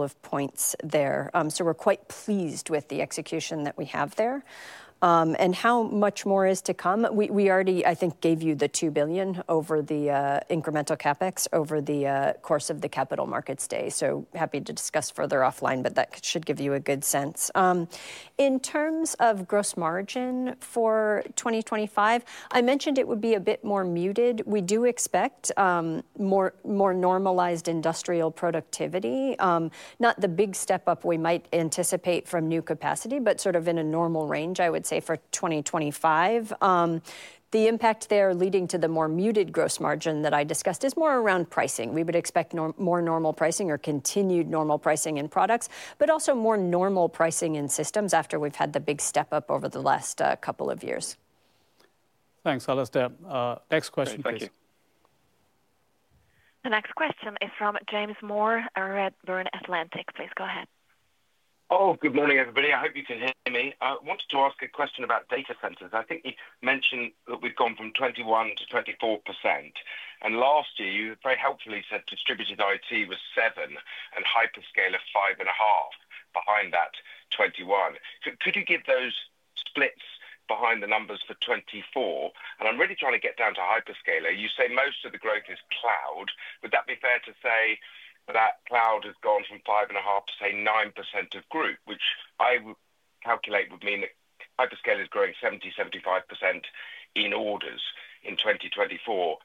of points there. So, we're quite pleased with the execution that we have there. And how much more is to come? We already, I think, gave you the 2 billion over the incremental CapEx over the course of the Capital Markets Day. So, happy to discuss further offline, but that should give you a good sense. In terms of gross margin for 2025, I mentioned it would be a bit more muted. We do expect more normalized industrial productivity, not the big step-up we might anticipate from new capacity, but sort of in a normal range, I would say, for 2025. The impact there leading to the more muted gross margin that I discussed is more around pricing. We would expect more normal pricing or continued normal pricing in products, but also more normal pricing in systems after we've had the big step-up over the last couple of years. Thanks, Alasdair. Next question, please. Thank you. The next question is from James Moore at Redburn Atlantic. Please go ahead. Oh, good morning, everybody. I hope you can hear me. I wanted to ask a question about Data Centers. I think you mentioned that we've gone from 21% to 24%. And last year, you very helpfully said distributed IT was 7% and hyperscaler of 5.5% behind that 21%. Could you give those splits behind the numbers for 2024? And I'm really trying to get down to hyperscaler. You say most of the growth is cloud. Would that be fair to say that cloud has gone from 5.5% to, say, 9% of group, which I calculate would mean that hyperscaler is growing 70%, 75% in orders in 2024?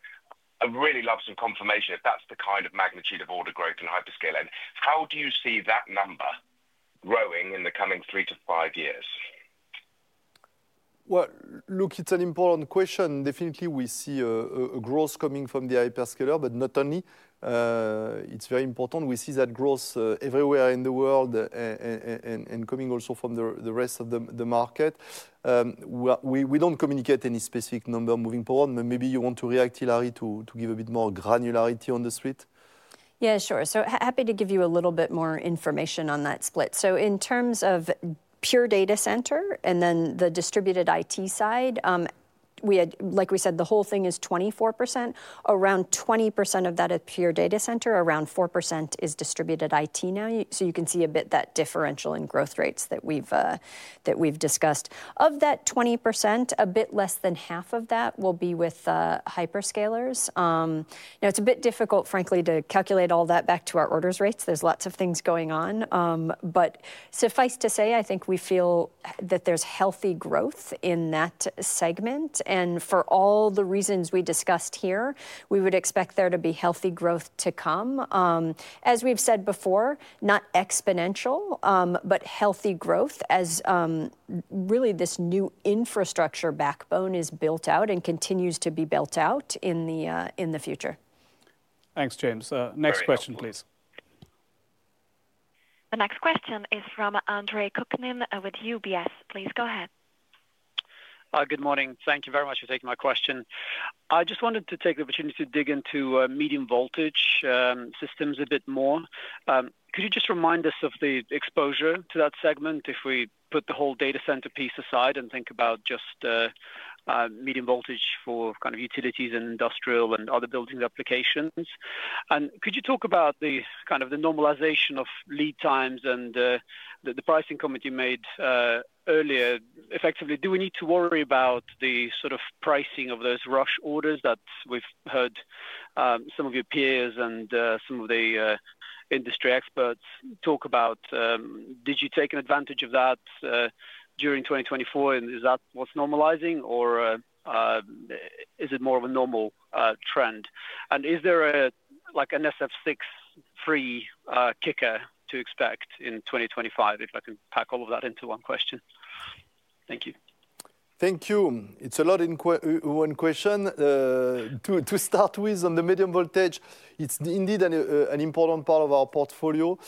I'd really love some confirmation if that's the kind of magnitude of order growth in hyperscaler. And how do you see that number growing in the coming three to five years? Well, look, it's an important question. Definitely, we see a growth coming from the hyperscaler, but not only. It's very important. We see that growth everywhere in the world and coming also from the rest of the market. We don't communicate any specific number moving forward, but maybe you want to react, Hilary, to give a bit more granularity on the split. Yeah, sure. So, happy to give you a little bit more information on that split. So, in terms of pure data center and then the distributed IT side, like we said, the whole thing is 24%. Around 20% of that is pure data center. Around 4% is distributed IT now. So, you can see a bit of that differential in growth rates that we've discussed. Of that 20%, a bit less than half of that will be with hyperscalers. Now, it's a bit difficult, frankly, to calculate all that back to our order rates. There's lots of things going on. But suffice to say, I think we feel that there's healthy growth in that segment. And for all the reasons we discussed here, we would expect there to be healthy growth to come. As we've said before, not exponential, but healthy growth as really this new infrastructure backbone is built out and continues to be built out in the future. Thanks, James. Next question, please. The next question is from Andre Kukhnin with UBS. Please go ahead. Good morning. Thank you very much for taking my question. I just wanted to take the opportunity to dig into medium voltage systems a bit more. Could you just remind us of the exposure to that segment if we put the whole data center piece aside and think about just Medium Voltage for kind of utilities and industrial and other building applications? Could you talk about the kind of normalization of lead times and the pricing comment you made earlier? Effectively, do we need to worry about the sort of pricing of those rush orders that we've heard some of your peers and some of the industry experts talk about? Did you take advantage of that during 2024, and is that what's normalizing, or is it more of a normal trend? And is there an SF6-free kicker to expect in 2025, if I can pack all of that into one question? Thank you. Thank you. It's a lot of one question to start with. On the Medium Voltage, it's indeed an important part of our portfolio.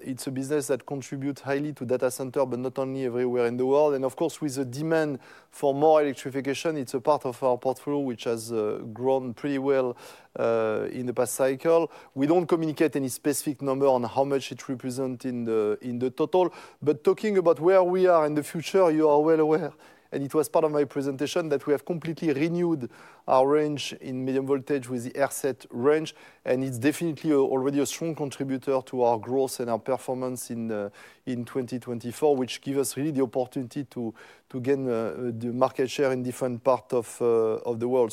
It's a business that contributes highly to Data Centers, but not only everywhere in the world. Of course, with the demand for more electrification, it's a part of our portfolio which has grown pretty well in the past cycle. We don't communicate any specific number on how much it represents in the total. Talking about where we are in the future, you are well aware. It was part of my presentation that we have completely renewed our range in Medium Voltage with the AirSeT range. It's definitely already a strong contributor to our growth and our performance in 2024, which gives us really the opportunity to gain the market share in different parts of the world.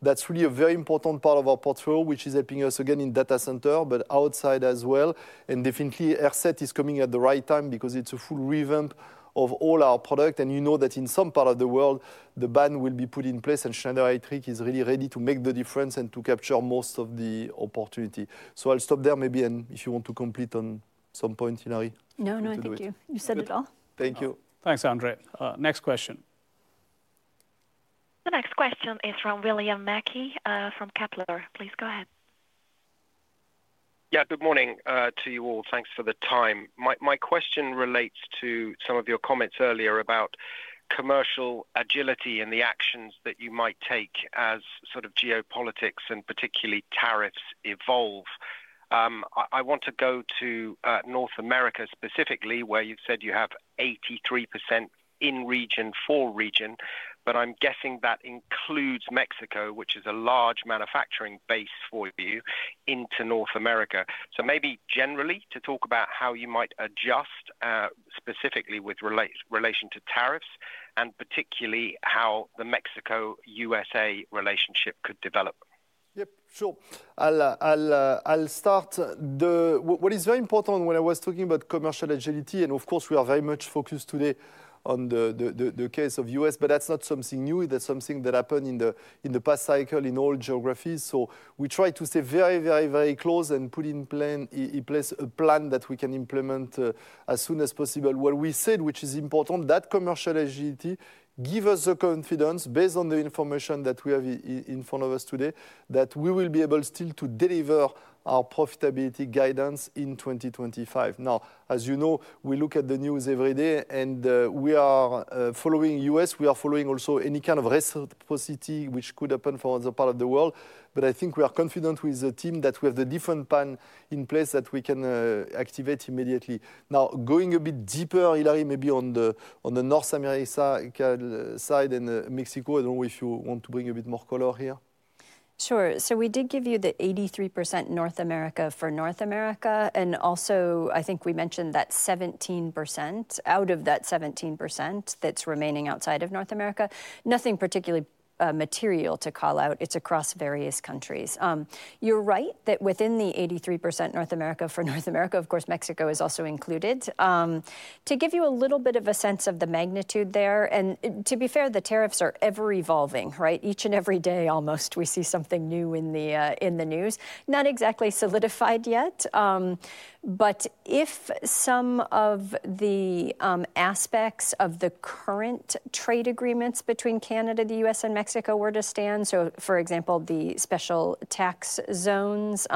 That's really a very important part of our portfolio, which is helping us again in data centers, but outside as well. Definitely, AirSeT is coming at the right time because it's a full revamp of all our products. And you know that in some part of the world, the ban will be put in place, and Schneider Electric is really ready to make the difference and to capture most of the opportunity. So, I'll stop there maybe, and if you want to complete on some point, Hilary. No, no, thank you. You said it all. Thank you. Thanks, Andre. Next question. The next question is from William Mackie from Kepler. Please go ahead. Yeah, good morning to you all. Thanks for the time. My question relates to some of your comments earlier about commercial agility and the actions that you might take as sort of geopolitics and particularly tariffs evolve. I want to go to North America specifically, where you've said you have 83% in region for region, but I'm guessing that includes Mexico, which is a large manufacturing base for you into North America. So, maybe generally to talk about how you might adjust specifically with relation to tariffs and particularly how the Mexico-U.S.A. relationship could develop. Yep, sure. I'll start. What is very important, when I was talking about commercial agility, and of course, we are very much focused today on the case of the U.S., but that's not something new. That's something that happened in the past cycle in all geographies. So, we try to stay very, very, very close and put in place a plan that we can implement as soon as possible. What we said, which is important, that commercial agility gives us the confidence based on the information that we have in front of us today that we will be able still to deliver our profitability guidance in 2025. Now, as you know, we look at the news every day, and we are following the U.S. We are following also any kind of reciprocity which could happen for other parts of the world. But I think we are confident with the team that we have the different plan in place that we can activate immediately. Now, going a bit deeper, Hilary, maybe on the North America side and Mexico, I don't know if you want to bring a bit more color here. Sure. So, we did give you the 83% North America for North America. And also, I think we mentioned that 17% out of that 17% that's remaining outside of North America, nothing particularly material to call out. It's across various countries. You're right that within the 83% North America for North America, of course, Mexico is also included. To give you a little bit of a sense of the magnitude there, and to be fair, the tariffs are ever-evolving, right? Each and every day, almost, we see something new in the news. Not exactly solidified yet, but if some of the aspects of the current trade agreements between Canada, the U.S., and Mexico were to stand, so for example, the special tax zones,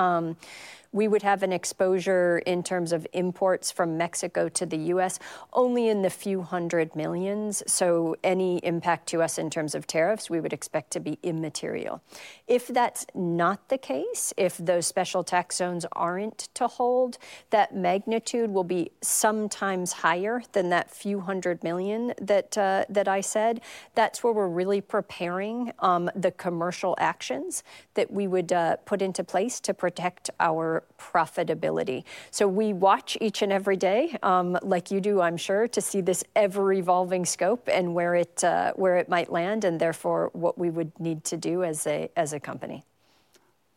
we would have an exposure in terms of imports from Mexico to the U.S. only in the few hundred millions. So, any impact to us in terms of tariffs, we would expect to be immaterial. If that's not the case, if those special tax zones aren't to hold, that magnitude will be sometimes higher than that few hundred million that I said. That's where we're really preparing the commercial actions that we would put into place to protect our profitability. So, we watch each and every day, like you do, I'm sure, to see this ever-evolving scope and where it might land and therefore what we would need to do as a company.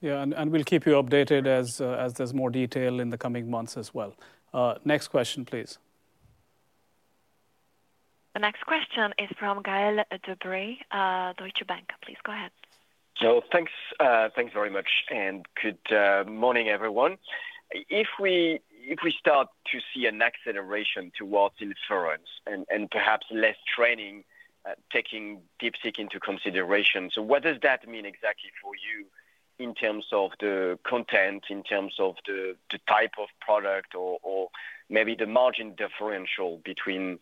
Yeah, and we'll keep you updated as there's more detail in the coming months as well. Next question, please. The next question is from Gael de Bray, Deutsche Bank. Please go ahead. So, thanks very much. And good morning, everyone. If we start to see an acceleration towards inference and perhaps less training taking DeepSeek into consideration, so what does that mean exactly for you in terms of the content, in terms of the type of product, or maybe the margin differential between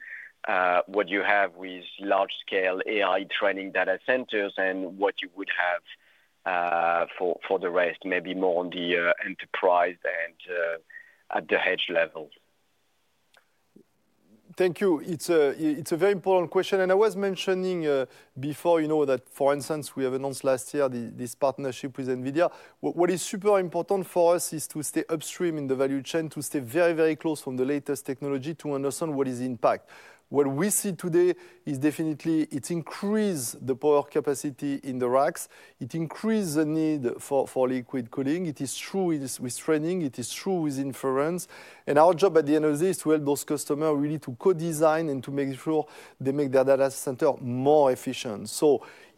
what you have with large-scale AI training data centers and what you would have for the rest, maybe more on the enterprise and at the edge level? Thank you. It's a very important question. I was mentioning before, you know, that for instance, we have announced last year this partnership with NVIDIA. What is super important for us is to stay upstream in the value chain, to stay very, very close to the latest technology to understand what is the impact. What we see today is definitely it increases the power capacity in the racks. It increases the need for liquid cooling. It is true with training. It is true with inference. And our job at the end of the day is to help those customers really to co-design and to make sure they make their data center more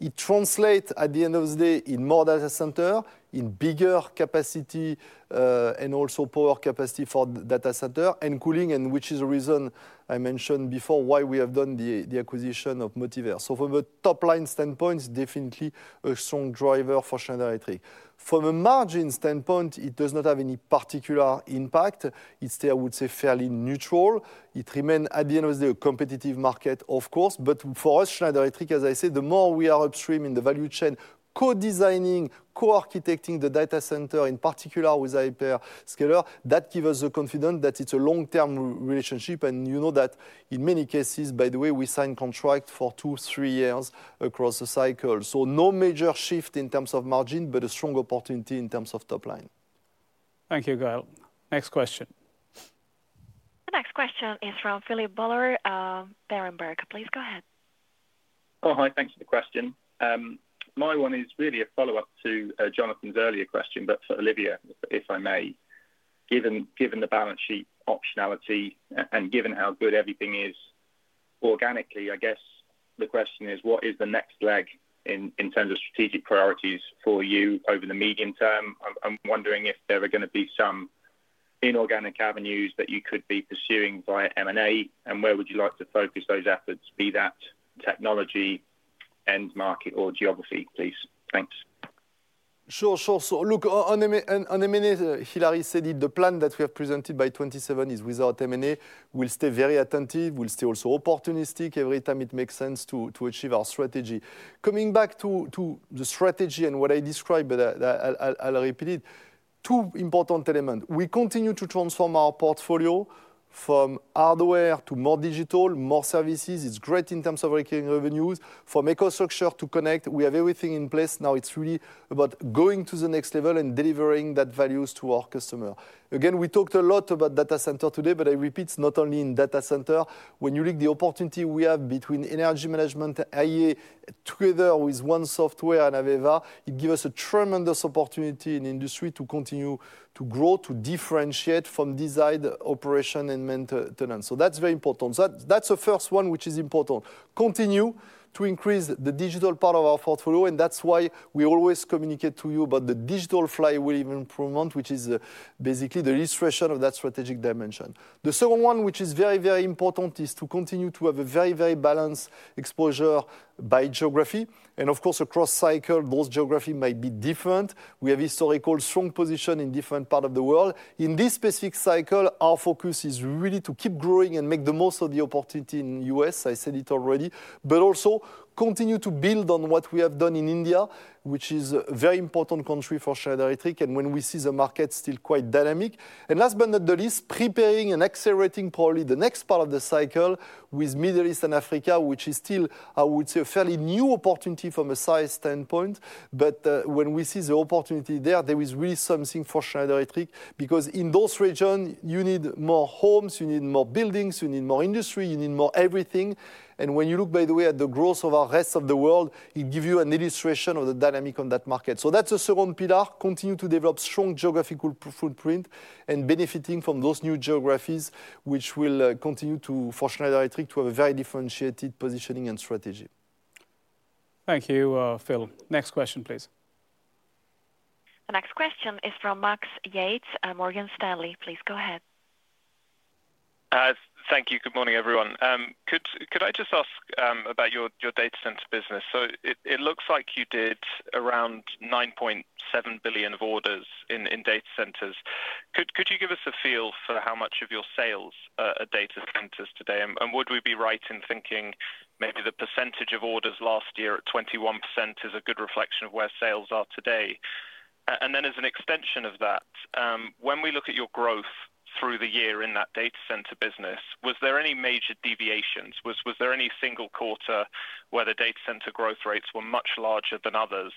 efficient. So, it translates at the end of the day in more data center, in bigger capacity, and also power capacity for data center and cooling, and which is the reason I mentioned before why we have done the acquisition of Motivair. So, from a top-line standpoint, it's definitely a strong driver for Schneider Electric. From a margin standpoint, it does not have any particular impact. It's still, I would say, fairly neutral. It remains, at the end of the day, a competitive market, of course. But for us, Schneider Electric, as I said, the more we are upstream in the value chain, co-designing, co-architecting the data center, in particular with hyperscaler, that gives us the confidence that it's a long-term relationship. And you know that in many cases, by the way, we sign contracts for two, three years across the cycle. So, no major shift in terms of margin, but a strong opportunity in terms of top-line. Thank you, Gael. Next question. The next question is from Philip Buller, Berenberg. Please go ahead. Oh, hi. Thanks for the question. My one is really a follow-up to Jonathan's earlier question, but for Olivier, if I may. Given the balance sheet optionality and given how good everything is organically, I guess the question is, what is the next leg in terms of strategic priorities for you over the medium term? I'm wondering if there are going to be some inorganic avenues that you could be pursuing via M&A, and where would you like to focus those efforts? Be that technology, end market, or geography, please. Thanks. Sure, sure. So, look, on M&A, Hilary said it, the plan that we have presented by 2027 is without M&A. We'll stay very attentive. We'll stay also opportunistic every time it makes sense to achieve our strategy. Coming back to the strategy and what I described, but I'll repeat it, two important elements. We continue to transform our portfolio from hardware to more digital, more services. It's great in terms of recurring revenues. From EcoStruxure to CONNECT, we have everything in place. Now, it's really about going to the next level and delivering that value to our customer. Again, we talked a lot about data center today, but I repeat, it's not only in data center. When you look at the opportunity we have between Energy Management, AI, together with One Software and AVEVA, it gives us a tremendous opportunity in the industry to continue to grow, to differentiate from design, operation, and maintenance, so that's very important, that's the first one which is important. Continue to increase the digital part of our portfolio, and that's why we always communicate to you about the Digital Flywheel improvement, which is basically the illustration of that strategic dimension. The second one, which is very, very important, is to continue to have a very, very balanced exposure by geography, and of course, across cycles, those geographies might be different. We have a historical strong position in different parts of the world. In this specific cycle, our focus is really to keep growing and make the most of the opportunity in the U.S. I said it already, but also continue to build on what we have done in India, which is a very important country for Schneider Electric, and when we see the market still quite dynamic, and last but not the least, preparing and accelerating probably the next part of the cycle with Middle East and Africa, which is still, I would say, a fairly new opportunity from a size standpoint. But when we see the opportunity there, there is really something for Schneider Electric because in those regions, you need more homes, you need more buildings, you need more industry, you need more everything. And when you look, by the way, at the growth of our rest of the world, it gives you an illustration of the dynamic on that market. So, that's the second pillar. Continue to develop strong geographical footprint and benefiting from those new geographies, which will continue for Schneider Electric to have a very differentiated positioning and strategy. Thank you, Phil. Next question, please. The next question is from Max Yates, Morgan Stanley. Please go ahead. Thank you. Good morning, everyone. Could I just ask about your Data Center business? So, it looks like you did around 9.7 billion of orders in data centers. Could you give us a feel for how much of your sales are data centers today? And would we be right in thinking maybe the percentage of orders last year at 21% is a good reflection of where sales are today? And then as an extension of that, when we look at your growth through the year in that Data Center business, was there any major deviations? Was there any single quarter where the data center growth rates were much larger than others?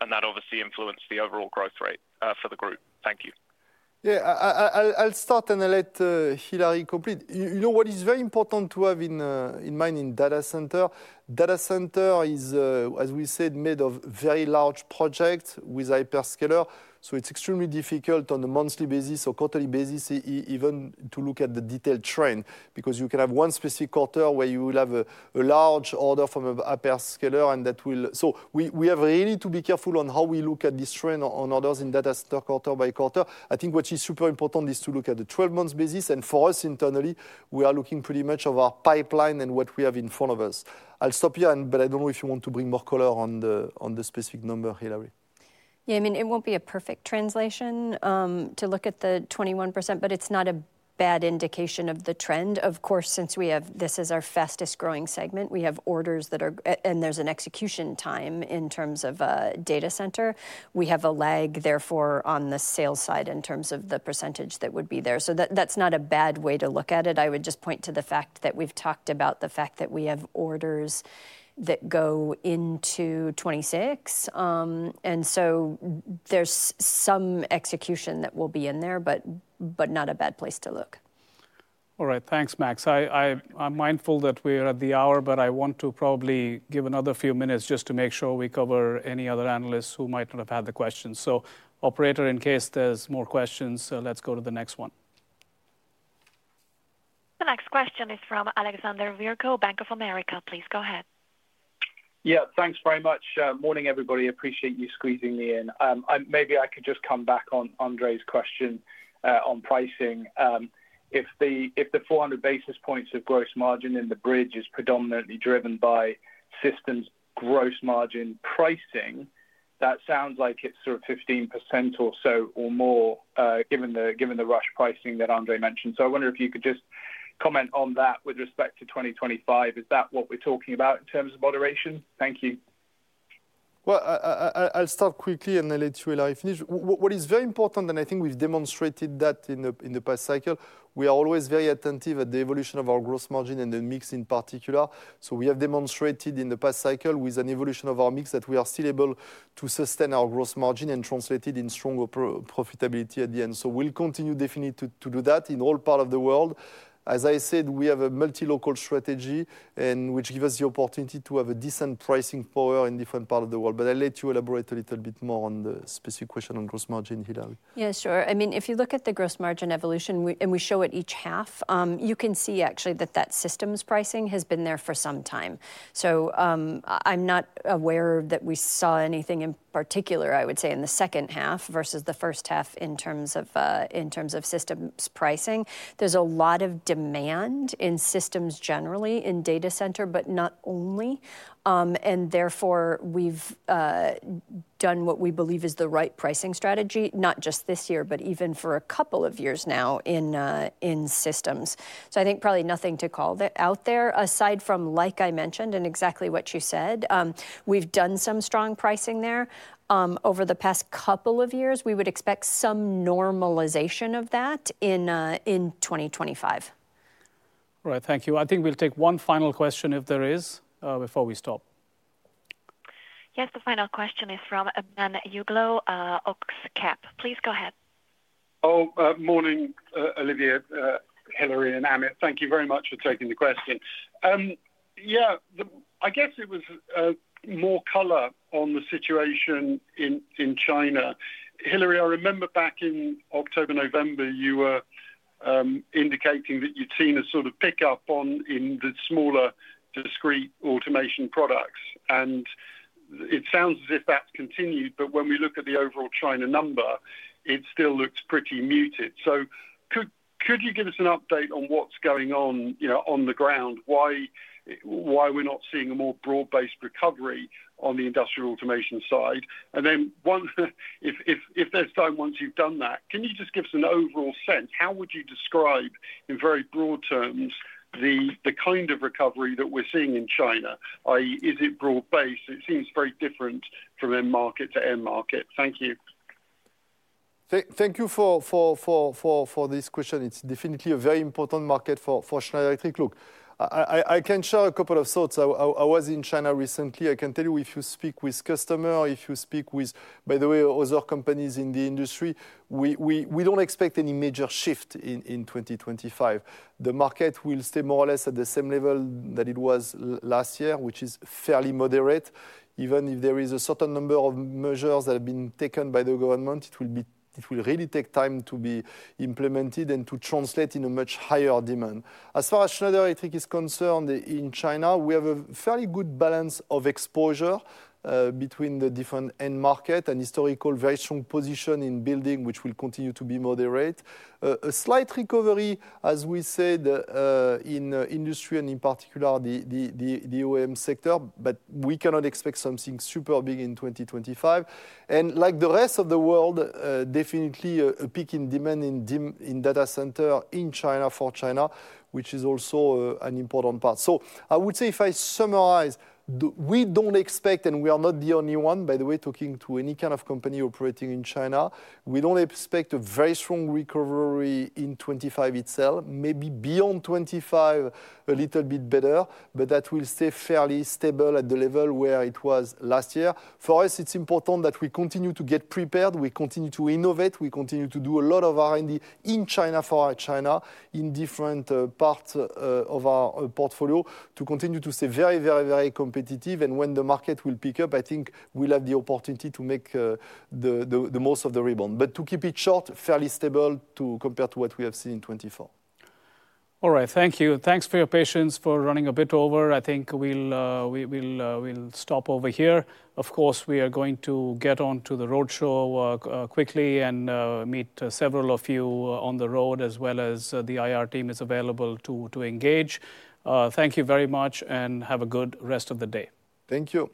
And that obviously influenced the overall growth rate for the group. Thank you. Yeah, I'll start and let Hilary complete. You know what is very important to have in mind in Data Center? Data Center is, as we said, made of very large projects with hyperscaler. So, it's extremely difficult on a monthly basis or quarterly basis even to look at the detailed trend because you can have one specific quarter where you will have a large order from a hyperscaler, and that will... So, we have really to be careful on how we look at this trend on orders in Data Center quarter by quarter. I think what is super important is to look at the 12-month basis. And for us internally, we are looking pretty much at our pipeline and what we have in front of us. I'll stop here, but I don't know if you want to bring more color on the specific number, Hilary. Yeah, I mean, it won't be a perfect translation to look at the 21%, but it's not a bad indication of the trend. Of course, since we have... This is our fastest growing segment. We have orders that are... and there's an execution time in terms of Data Center. We have a lag, therefore, on the sales side in terms of the percentage that would be there. So, that's not a bad way to look at it. I would just point to the fact that we've talked about the fact that we have orders that go into 2026. And so, there's some execution that will be in there, but not a bad place to look. All right. Thanks, Max. I'm mindful that we're at the hour, but I want to probably give another few minutes just to make sure we cover any other analysts who might not have had the questions. So, operator, in case there's more questions, let's go to the next one. The next question is from Alexander Virgo, Bank of America. Please go ahead. Yeah, thanks very much. Morning, everybody. Appreciate you squeezing me in. Maybe I could just come back on Andre's question on pricing. If the 400 basis points of gross margin in the bridge is predominantly driven by systems gross margin pricing, that sounds like it's sort of 15% or so or more given the rush pricing that Andre mentioned. So, I wonder if you could just comment on that with respect to 2025. Is that what we're talking about in terms of moderation? Thank you. Well, I'll start quickly and I'll let you, Hilary, finish. What is very important, and I think we've demonstrated that in the past cycle, we are always very attentive at the evolution of our gross margin and the mix in particular. So, we have demonstrated in the past cycle with an evolution of our mix that we are still able to sustain our gross margin and translate it in stronger profitability at the end. So, we'll continue definitely to do that in all parts of the world. As I said, we have a multi-local strategy which gives us the opportunity to have a decent pricing power in different parts of the world. But I'll let you elaborate a little bit more on the specific question on gross margin, Hilary. Yeah, sure. I mean, if you look at the gross margin evolution and we show it each half, you can see actually that that Systems pricing has been there for some time. So, I'm not aware that we saw anything in particular, I would say, in the second half versus the first half in terms of Systems pricing. There's a lot of demand in Systems generally in Data Center, but not only. And therefore, we've done what we believe is the right pricing strategy, not just this year, but even for a couple of years now in Systems. So, I think probably nothing to call out there aside from, like I mentioned, and exactly what you said. We've done some strong pricing there. Over the past couple of years, we would expect some normalization of that in 2025. All right. Thank you. I think we'll take one final question if there is before we stop. Yes, the final question is from Ben Uglow, Oxcap. Please go ahead. Oh, morning, Olivier, Hilary, and Amit. Thank you very much for taking the question. Yeah, I guess it was more color on the situation in China. Hilary, I remember back in October, November, you were indicating that you'd seen a sort of pickup on the smaller Discrete Automation products. And it sounds as if that's continued, but when we look at the overall China number, it still looks pretty muted. So, could you give us an update on what's going on on the ground? Why are we not seeing a more broad-based recovery on the Industrial Automation side? And then if there's time, once you've done that, can you just give us an overall sense? How would you describe in very broad terms the kind of recovery that we're seeing in China? Is it broad-based? It seems very different from end market to end market. Thank you. Thank you for this question. It's definitely a very important market for Schneider Electric. Look, I can share a couple of thoughts. I was in China recently. I can tell you if you speak with customers, if you speak with, by the way, other companies in the industry, we don't expect any major shift in 2025. The market will stay more or less at the same level that it was last year, which is fairly moderate. Even if there is a certain number of measures that have been taken by the government, it will really take time to be implemented and to translate in a much higher demand. As far as Schneider Electric is concerned in China, we have a fairly good balance of exposure between the different end markets and historical very strong position in building, which will continue to be moderate. A slight recovery, as we said, in industry and in particular the OEM sector, but we cannot expect something super big in 2025. And like the rest of the world, definitely a peak in demand in Data Center in China for China, which is also an important part. So, I would say if I summarize, we don't expect, and we are not the only one, by the way, talking to any kind of company operating in China, we don't expect a very strong recovery in 2025 itself. Maybe beyond 2025, a little bit better, but that will stay fairly stable at the level where it was last year. For us, it's important that we continue to get prepared. We continue to innovate. We continue to do a lot of R&D in China for our China in different parts of our portfolio to continue to stay very, very, very competitive. And when the market will pick up, I think we'll have the opportunity to make the most of the rebound. But to keep it short, fairly stable to compare to what we have seen in 2024. All right. Thank you. Thanks for your patience for running a bit over. I think we'll stop over here. Of course, we are going to get on to the roadshow quickly and meet several of you on the road as well as the IR team is available to engage. Thank you very much and have a good rest of the day. Thank you.